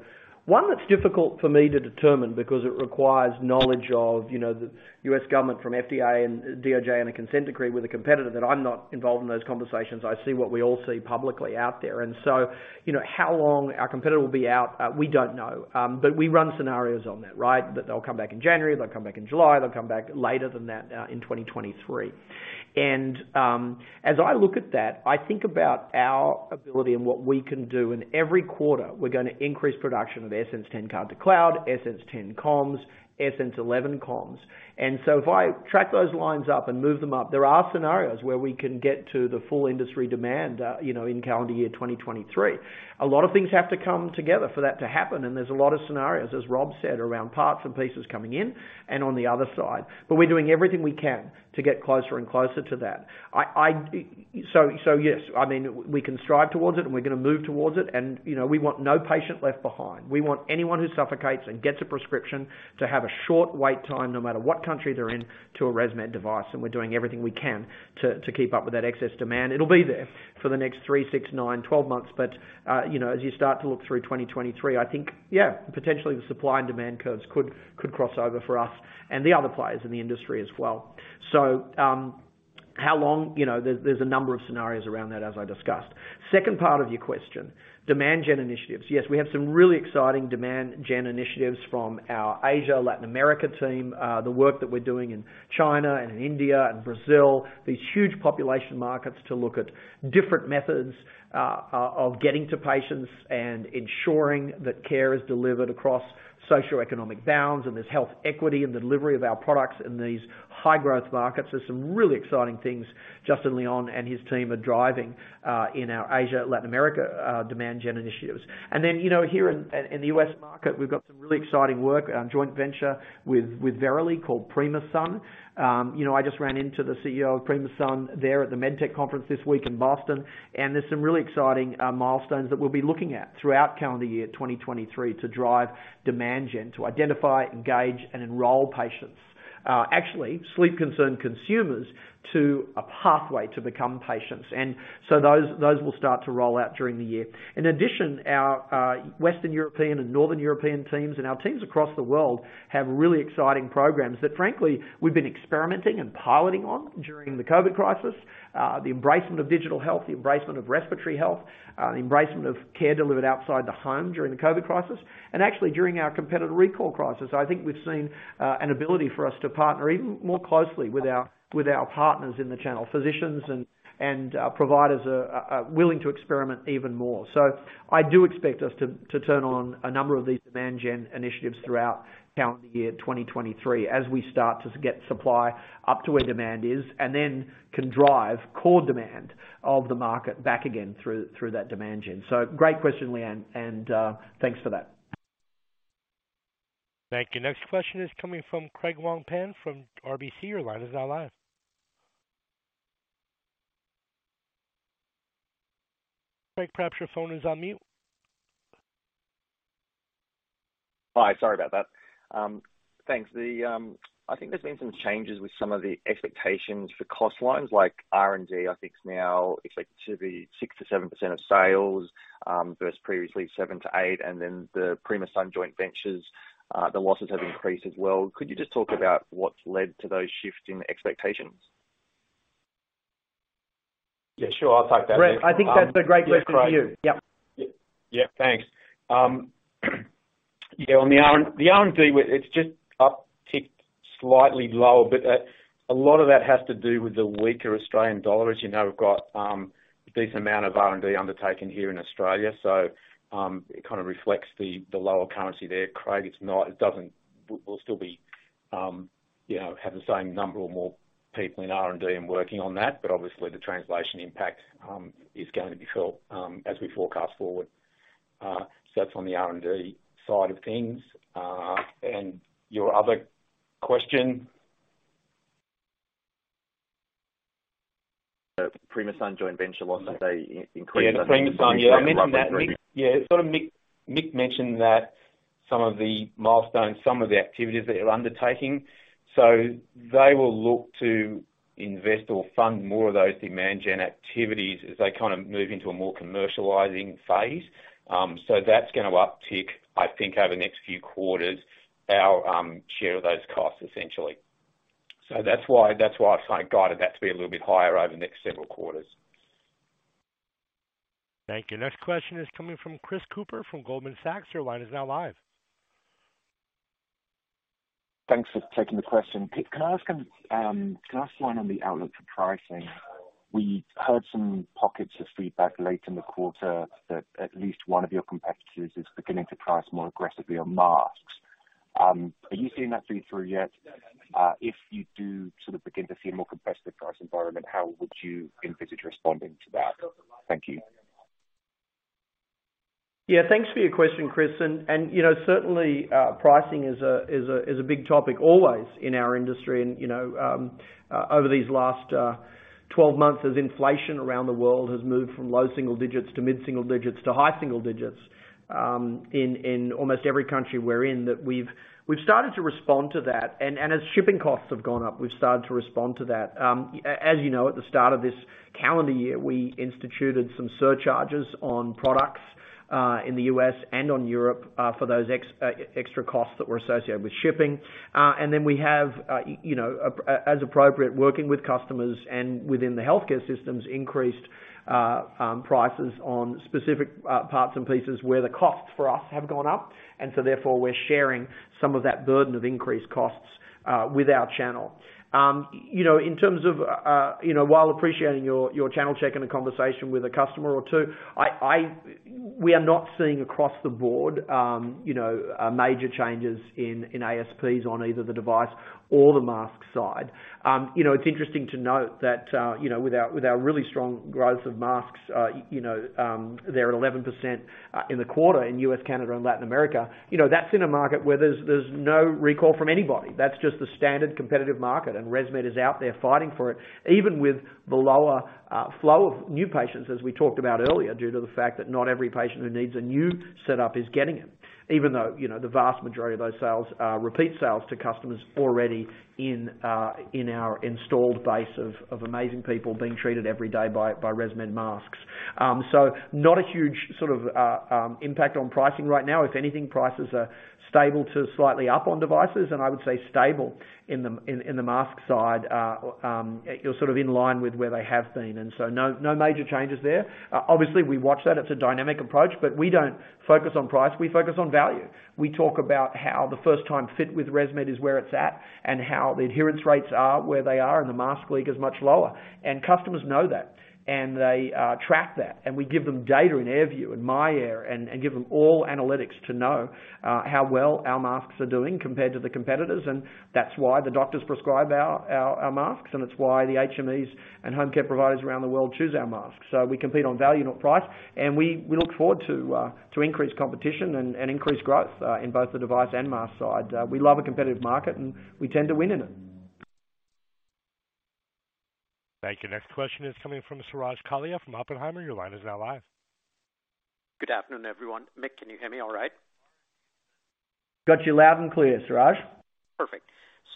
One that's difficult for me to determine because it requires knowledge of, you know, the U.S. government from FDA and DOJ on a consent decree with a competitor that I'm not involved in those conversations. I see what we all see publicly out there. You know, how long our competitor will be out, we don't know. But we run scenarios on that, right? That they'll come back in January, they'll come back in July, they'll come back later than that, in 2023. As I look at that, I think about our ability and what we can do. In every quarter, we're gonna increase production of AirSense 10 Card-to-Cloud, AirSense 10 comms, AirSense 11 comms. If I track those lines up and move them up, there are scenarios where we can get to the full industry demand, you know, in calendar year 2023. A lot of things have to come together for that to happen, and there's a lot of scenarios, as Rob said, around parts and pieces coming in and on the other side. We're doing everything we can to get closer and closer to that. Yes, I mean, we can strive towards it and we're gonna move towards it. You know, we want no patient left behind. We want anyone who suffocates and gets a prescription to have a short wait time no matter what country they're in, to a ResMed device, and we're doing everything we can to keep up with that excess demand. It'll be there for the next 3, 6, 9, 12 months. You know, as you start to look through 2023, I think, yeah, potentially the supply and demand curves could cross over for us and the other players in the industry as well. How long? You know, there's a number of scenarios around that as I discussed. Second part of your question, demand gen initiatives. Yes, we have some really exciting demand gen initiatives from our Asia, Latin America team. The work that we're doing in China and in India and Brazil, these huge population markets, to look at different methods of getting to patients and ensuring that care is delivered across socioeconomic bounds, and there's health equity in the delivery of our products in these high growth markets. There's some really exciting things Justin Leong and his team are driving in our Asia, Latin America demand gen initiatives. You know, here in the U.S. market, we've got some really exciting work, a joint venture with Verily called Primasun. You know, I just ran into the CEO of Primasun there at the MedTech conference this week in Boston, and there's some really exciting milestones that we'll be looking at throughout calendar year 2023 to drive demand gen to identify, engage, and enroll patients. Actually sleep concerned consumers to a pathway to become patients. Those will start to roll out during the year. In addition, our Western European and Northern European teams, and our teams across the world have really exciting programs that frankly, we've been experimenting and piloting on during the COVID crisis. The embracement of digital health, the embracement of respiratory health, the embracement of care delivered outside the home during the COVID crisis and actually during our competitor recall crisis. I think we've seen an ability for us to partner even more closely with our partners in the channel. Physicians and providers are willing to experiment even more. I do expect us to turn on a number of these demand gen initiatives throughout calendar year 2023 as we start to get supply up to where demand is and then can drive core demand of the market back again through that demand gen. Great question, Lyanne, and thanks for that. Thank you. Next question is coming from Craig Wong-Pan from RBC. Your line is now live. Craig, perhaps your phone is on mute. Hi. Sorry about that. Thanks. I think there's been some changes with some of the expectations for cost lines like R&D, I think now expected to be 6%-7% of sales, versus previously 7%-8%. Then the Primasun joint ventures, the losses have increased as well. Could you just talk about what's led to those shifts in expectations? Yeah, sure. I'll take that. Brett, I think that's a great question for you. Yep. Yeah. Thanks. Yeah, on the R&D, it's just up-ticked slightly lower, but a lot of that has to do with the weaker Australian dollar. As you know, we've got a decent amount of R&D undertaken here in Australia, so it kind of reflects the lower currency there. Craig, we'll still be, you know, have the same number or more people in R&D and working on that. But obviously the translation impact is going to be felt as we forecast forward. So that's on the R&D side of things. And your other question? Primasun joint venture losses, they increased. Yeah, the Primasun. Yeah, I mentioned that. Yeah, sort of Mick mentioned that some of the milestones, some of the activities that you're undertaking. They will look to invest or fund more of those demand gen activities as they kind of move into a more commercializing phase. That's gonna uptick, I think, over the next few quarters, our share of those costs essentially. That's why I guided that to be a little bit higher over the next several quarters. Thank you. Next question is coming from Chris Cooper from Goldman Sachs. Your line is now live. Thanks for taking the question. Mick, can I ask one on the outlook for pricing? We heard some pockets of feedback late in the quarter that at least one of your competitors is beginning to price more aggressively on masks. Are you seeing that feed through yet? If you do sort of begin to see a more competitive price environment, how would you envisage responding to that? Thank you. Yeah, thanks for your question, Chris. You know, certainly, pricing is a big topic always in our industry. You know, over these last 12 months, as inflation around the world has moved from low single digits to mid single digits to high single digits, in almost every country we're in, that we've started to respond to that. As shipping costs have gone up, we've started to respond to that. As you know, at the start of this calendar year, we instituted some surcharges on products in the U.S. and in Europe for those extra costs that were associated with shipping. We have, you know, as appropriate, working with customers and within the healthcare systems, increased prices on specific parts and pieces where the costs for us have gone up. We're sharing some of that burden of increased costs with our channel. You know, in terms of, you know, while appreciating your channel check and a conversation with a customer or two, we are not seeing across the board major changes in ASPs on either the device or the mask side. You know, it's interesting to note that, you know, with our really strong growth of masks, you know, they're at 11% in the quarter in U.S., Canada, and Latin America. You know, that's in a market where there's no recall from anybody. That's just the standard competitive market. ResMed is out there fighting for it, even with the lower flow of new patients, as we talked about earlier, due to the fact that not every patient who needs a new setup is getting it, even though, you know, the vast majority of those sales are repeat sales to customers already in our installed base of amazing people being treated every day by ResMed masks. So not a huge sort of impact on pricing right now. If anything, prices are stable to slightly up on devices, and I would say stable in the mask side, you know, sort of in line with where they have been. No major changes there. Obviously, we watch that it's a dynamic approach, but we don't focus on price, we focus on value. We talk about how the first time fit with ResMed is where it's at, and how the adherence rates are where they are, and the mask leak is much lower. Customers know that, and they track that, and we give them data in AirView and myAir and give them all analytics to know how well our masks are doing compared to the competitors. That's why the doctors prescribe our masks, and that's why the HMEs and home care providers around the world choose our masks. We compete on value, not price. We look forward to increase competition and increase growth in both the device and mask side. We love a competitive market, and we tend to win in it. Thank you. Next question is coming from Suraj Kalia from Oppenheimer. Your line is now live. Good afternoon, everyone. Mick, can you hear me all right? Got you loud and clear, Suraj. Perfect.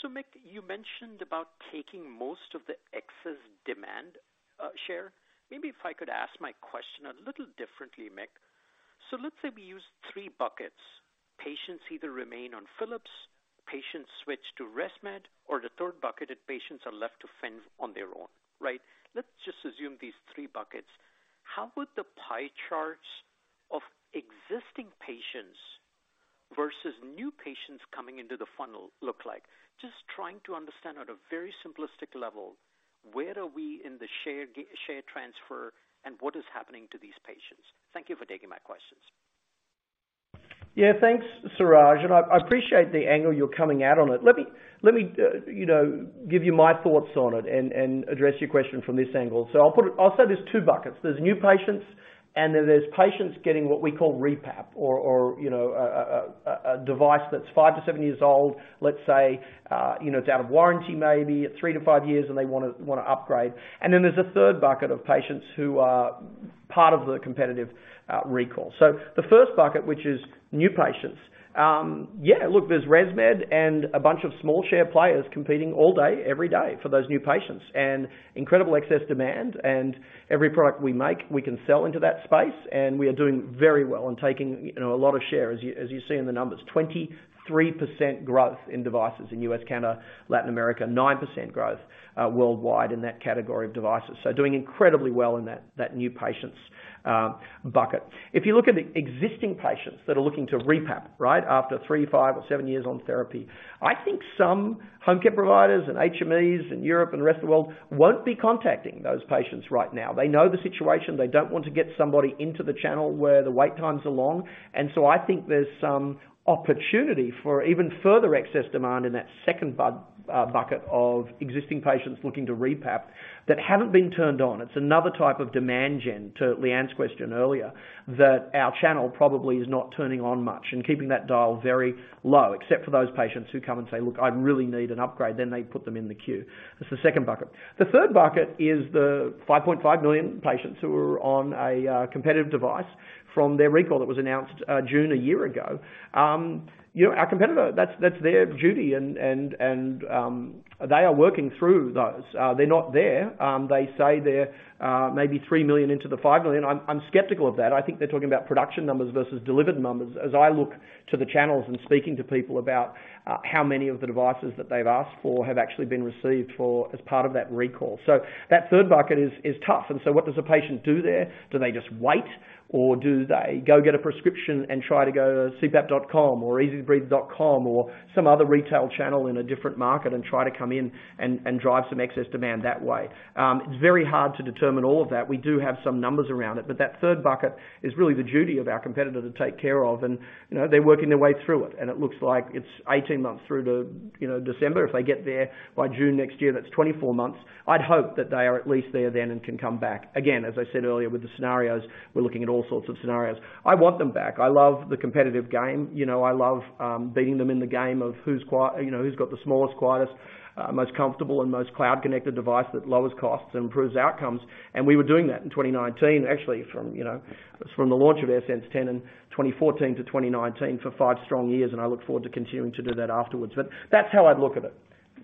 Mick, you mentioned about taking most of the excess demand, share. Maybe if I could ask my question a little differently, Mick. Let's say we use three buckets. Patients either remain on Philips, patients switch to ResMed, or the third bucket of patients are left to fend on their own, right? Let's just assume these three buckets. How would the pie charts of existing patients versus new patients coming into the funnel look like? Just trying to understand at a very simplistic level, where are we in the share transfer and what is happening to these patients. Thank you for taking my questions. Yeah, thanks, Suraj, and I appreciate the angle you're coming at on it. Let me, you know, give you my thoughts on it and address your question from this angle. I'll put it. I'll say there's two buckets. There's new patients, and then there's patients getting what we call repap or, you know, a device that's 5-7 years old, let's say, you know, it's out of warranty, maybe at 3-5 years, and they wanna upgrade. Then there's a third bucket of patients who are part of the competitive recall. The first bucket, which is new patients. Yeah, look, there's ResMed and a bunch of small share players competing all day, every day for those new patients. Incredible excess demand. Every product we make, we can sell into that space. We are doing very well and taking, you know, a lot of share, as you see in the numbers, 23% growth in devices in U.S., Canada, Latin America, 9% growth worldwide in that category of devices. Doing incredibly well in that new patients bucket. If you look at the existing patients that are looking to repap, right, after three, five, or seven years on therapy, I think some home care providers and HMEs in Europe and the rest of the world won't be contacting those patients right now. They know the situation. They don't want to get somebody into the channel where the wait times are long. I think there's some opportunity for even further excess demand in that second bucket of existing patients looking to repap that haven't been turned on. It's another type of demand gen, to Lyanne's question earlier, that our channel probably is not turning on much and keeping that dial very low, except for those patients who come and say, "Look, I really need an upgrade." Then they put them in the queue. That's the second bucket. The third bucket is the 5.5 million patients who are on a competitive device from their recall that was announced June a year ago. You know, our competitor, that's their duty and they are working through those. They're not there. They say they're maybe 3 million into the 5 million. I'm skeptical of that. I think they're talking about production numbers versus delivered numbers as I look to the channels and speaking to people about how many of the devices that they've asked for have actually been received for as part of that recall. That third bucket is tough. What does a patient do there? Do they just wait or do they go get a prescription and try to go to cpap.com or EasyBreathe.com or some other retail channel in a different market and try to come in and drive some excess demand that way? It's very hard to determine all of that. We do have some numbers around it, but that third bucket is really the duty of our competitor to take care of. You know, they're working their way through it, and it looks like it's 18 months through to December. If they get there by June next year, that's 24 months. I'd hope that they are at least there then and can come back. Again, as I said earlier, with the scenarios, we're looking at all sorts of scenarios. I want them back. I love the competitive game. You know, I love beating them in the game of who's got the smallest, quietest, most comfortable and most cloud-connected device that lowers costs and improves outcomes. And we were doing that in 2019 actually from, you know, from the launch of AirSense 10 in 2014 to 2019 for 5 strong years, and I look forward to continuing to do that afterwards. That's how I'd look at it.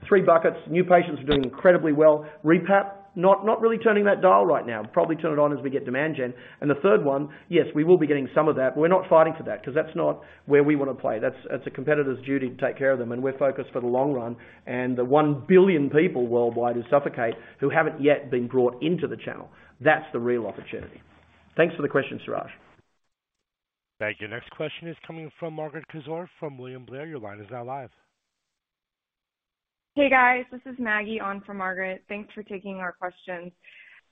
Three buckets. New patients are doing incredibly well. Re-PAP, not really turning that dial right now. Probably turn it on as we get demand gen. The third one, yes, we will be getting some of that. We're not fighting for that 'cause that's not where we wanna play. That's a competitor's duty to take care of them. We're focused for the long run, and the 1 billion people worldwide who suffocate, who haven't yet been brought into the channel. That's the real opportunity. Thanks for the question, Suraj. Thank you. Next question is coming from Margaret Kaczor from William Blair. Your line is now live. Hey, guys. This is Maggie on for Margaret. Thanks for taking our questions.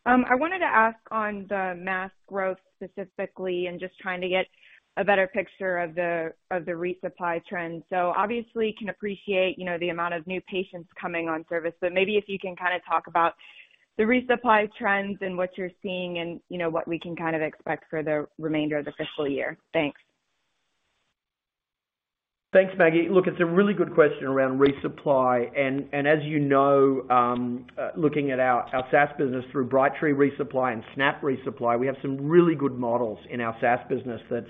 I wanted to ask on the mask growth specifically and just trying to get a better picture of the resupply trends. Obviously can appreciate, you know, the amount of new patients coming on service, but maybe if you can kind of talk about the resupply trends and what you're seeing and, you know, what we can kind of expect for the remainder of the fiscal year. Thanks. Thanks, Maggie. Look, it's a really good question around resupply. As you know, looking at our SaaS business through Brightree ReSupply and SNAP Resupply, we have some really good models in our SaaS business that's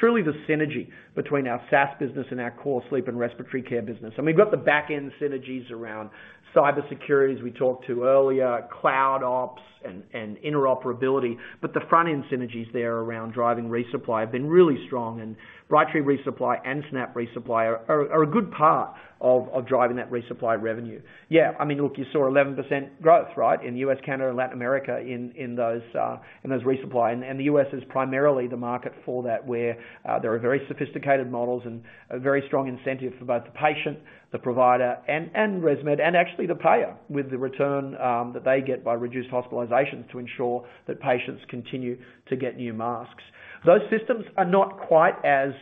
truly the synergy between our SaaS business and our core sleep and respiratory care business. We've got the back-end synergies around cybersecurity, as we talked about earlier, cloud ops and interoperability. The front-end synergies there around driving resupply have been really strong. Brightree ReSupply and SNAP Resupply are a good part of driving that resupply revenue. Yeah, I mean, look, you saw 11% growth, right? In U.S., Canada, and Latin America in those resupply. The U.S. is primarily the market for that, where there are very sophisticated models and a very strong incentive for both the patient, the provider and ResMed, and actually the payer with the return that they get by reduced hospitalizations to ensure that patients continue to get new masks. Those systems are not quite as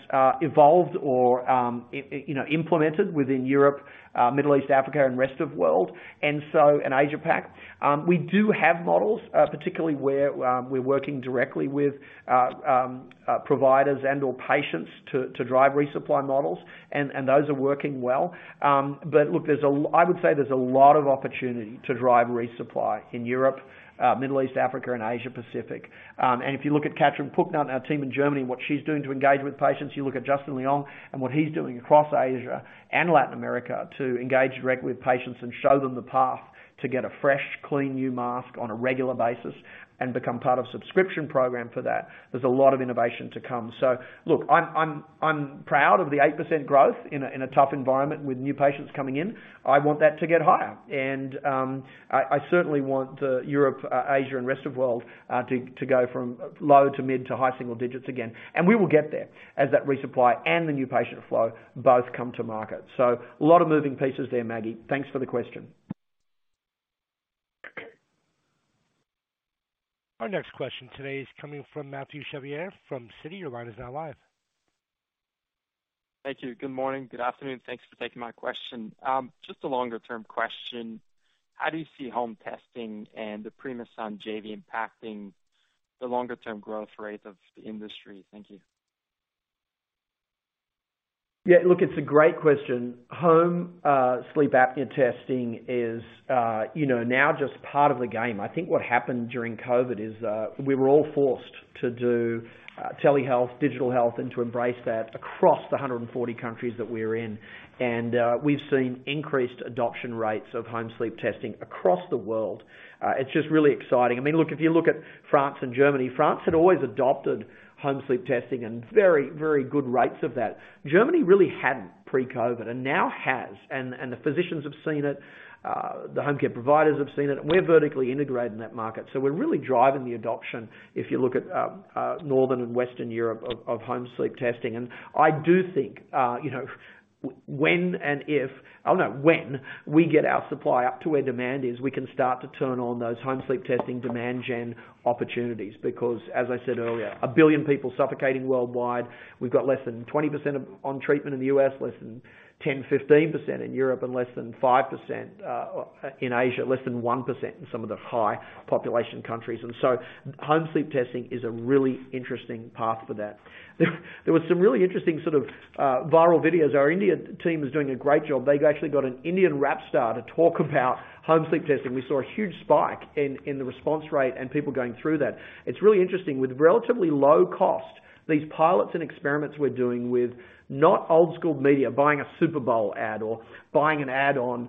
evolved or, you know, implemented within Europe, Middle East, Africa, and rest of world, and Asia Pac. We do have models, particularly where we're working directly with providers and/or patients to drive resupply models, and those are working well. Look, I would say there's a lot of opportunity to drive resupply in Europe, Middle East, Africa and Asia Pacific. If you look at Yvonne-Katrin Pucknat and our team in Germany, what she's doing to engage with patients. You look at Justin Leong and what he's doing across Asia and Latin America to engage directly with patients and show them the path to get a fresh, clean, new mask on a regular basis and become part of subscription program for that. There's a lot of innovation to come. Look, I'm proud of the 8% growth in a tough environment with new patients coming in. I want that to get higher. I certainly want the Europe, Asia and rest of world to go from low to mid to high single digits again. We will get there as that resupply and the new patient flow both come to market. A lot of moving pieces there, Maggie. Thanks for the question. Our next question today is coming from Mathieu Chevrier from Citi. Your line is now live. Thank you. Good morning. Good afternoon. Thanks for taking my question. Just a longer term question. How do you see home testing and the Primasun JV impacting the longer term growth rate of the industry? Thank you. Yeah, look, it's a great question. Home sleep apnea testing is, you know, now just part of the game. I think what happened during COVID is, we were all forced to do, telehealth, digital health, and to embrace that across the 140 countries that we're in. We've seen increased adoption rates of home sleep testing across the world. It's just really exciting. I mean, look, if you look at France and Germany. France had always adopted home sleep testing and very, very good rates of that. Germany really hadn't pre-COVID, and now has, and the physicians have seen it, the home care providers have seen it, and we're vertically integrated in that market. We're really driving the adoption, if you look at northern and western Europe of home sleep testing. I do think, you know, when we get our supply up to where demand is, we can start to turn on those home sleep testing demand gen opportunities. Because as I said earlier, 1 billion people suffocating worldwide. We've got less than 20% on treatment in the U.S., less than 10%-15% in Europe, and less than 5% in Asia, less than 1% in some of the high population countries. Home sleep testing is a really interesting path for that. There were some really interesting sort of viral videos. Our India team is doing a great job. They actually got an Indian rap star to talk about home sleep testing. We saw a huge spike in the response rate and people going through that. It's really interesting, with relatively low cost, these pilots and experiments we're doing with not old school media, buying a Super Bowl ad or buying an ad on,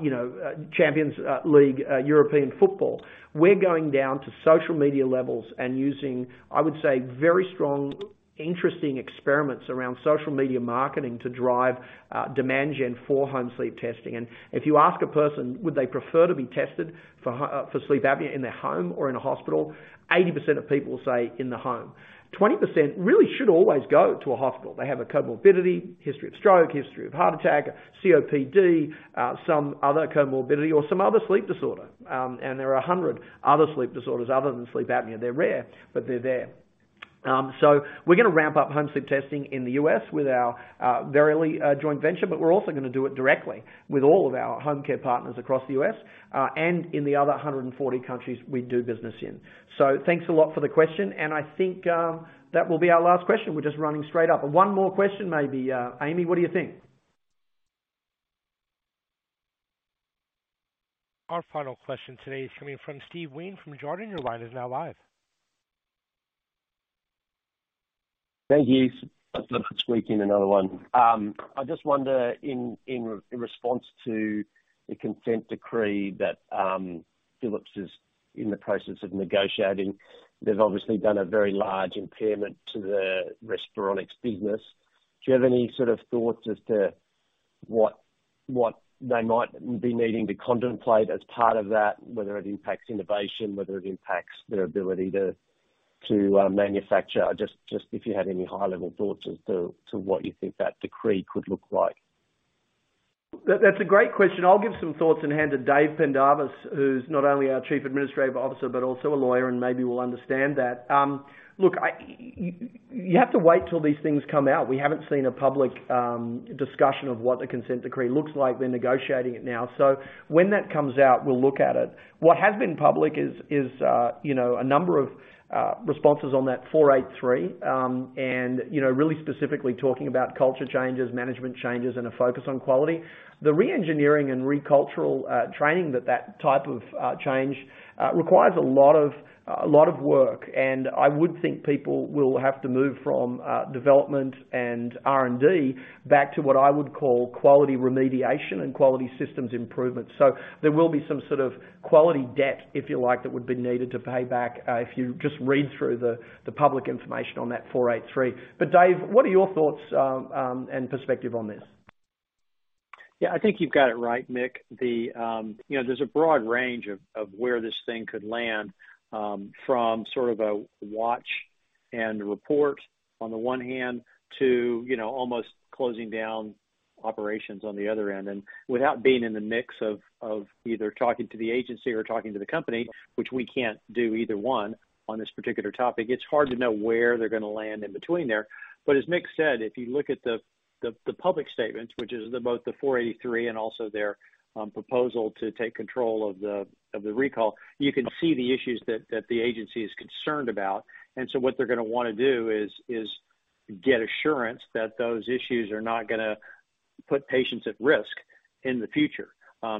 you know, Champions League, European football. We're going down to social media levels and using, I would say, very strong, interesting experiments around social media marketing to drive, demand gen for home sleep testing. If you ask a person, would they prefer to be tested for sleep apnea in their home or in a hospital? 80% of people will say in the home. 20% really should always go to a hospital. They have a comorbidity, history of stroke, history of heart attack, COPD, some other comorbidity or some other sleep disorder. There are 100 other sleep disorders other than sleep apnea. They're rare, but they're there. We're gonna ramp up home sleep testing in the U.S. with our Verily joint venture, but we're also gonna do it directly with all of our home care partners across the U.S., and in the other 140 countries we do business in. Thanks a lot for the question, and I think that will be our last question. We're just running straight up. One more question, maybe. Amy, what do you think? Our final question today is coming from Steve Wheen from Jarden. Your line is now live. Thank you. Squeak in another one. I just wonder in response to the consent decree that Philips is in the process of negotiating. They've obviously done a very large impairment to the Respironics business. Do you have any sort of thoughts as to what they might be needing to contemplate as part of that, whether it impacts innovation, whether it impacts their ability to manufacture? Just if you had any high-level thoughts as to what you think that decree could look like. That's a great question. I'll give some thoughts and hand to Dave Pendarvis, who's not only our Chief Administrative Officer but also a lawyer, and maybe will understand that. Look, you have to wait till these things come out. We haven't seen a public discussion of what the consent decree looks like. They're negotiating it now. When that comes out, we'll look at it. What has been public is a number of responses on that Form 483, and really specifically talking about culture changes, management changes, and a focus on quality. The reengineering and reculturing training that type of change requires a lot of work, and I would think people will have to move from development and R&D back to what I would call quality remediation and quality systems improvement. There will be some sort of quality debt, if you like, that would be needed to pay back, if you just read through the public information on that Form 483. Dave, what are your thoughts and perspective on this? Yeah, I think you've got it right, Mick. You know, there's a broad range of where this thing could land from sort of a watch and report on the one hand to you know almost closing down operations on the other end. Without being in the mix of either talking to the agency or talking to the company, which we can't do either one on this particular topic, it's hard to know where they're gonna land in between there. As Mick said, if you look at the public statements, which is both the Form 483 and also their proposal to take control of the recall, you can see the issues that the agency is concerned about. What they're gonna wanna do is get assurance that those issues are not gonna put patients at risk in the future.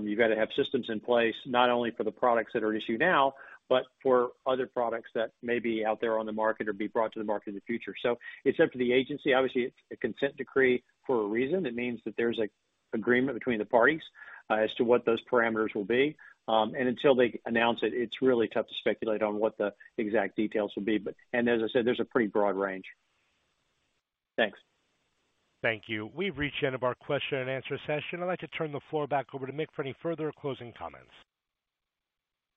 You've got to have systems in place not only for the products that are at issue now, but for other products that may be out there on the market or be brought to the market in the future. It's up to the agency. Obviously, it's a consent decree for a reason. It means that there's an agreement between the parties as to what those parameters will be. Until they announce it's really tough to speculate on what the exact details will be. And as I said, there's a pretty broad range. Thanks. Thank you. We've reached the end of our Q&A session. I'd like to turn the floor back over to Mick for any further closing comments.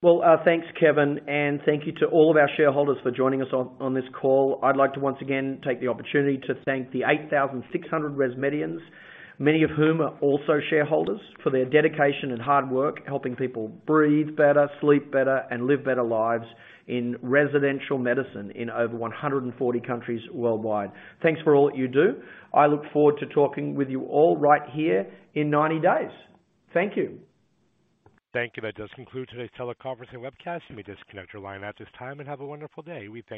Well, thanks, Kevin, and thank you to all of our shareholders for joining us on this call. I'd like to once again take the opportunity to thank the 8,600 ResMedians, many of whom are also shareholders, for their dedication and hard work, helping people breathe better, sleep better, and live better lives in respiratory medicine in over 140 countries worldwide. Thanks for all that you do. I look forward to talking with you all right here in 90 days. Thank you. Thank you. That does conclude today's teleconference and webcast. You may disconnect your line at this time and have a wonderful day. We thank you.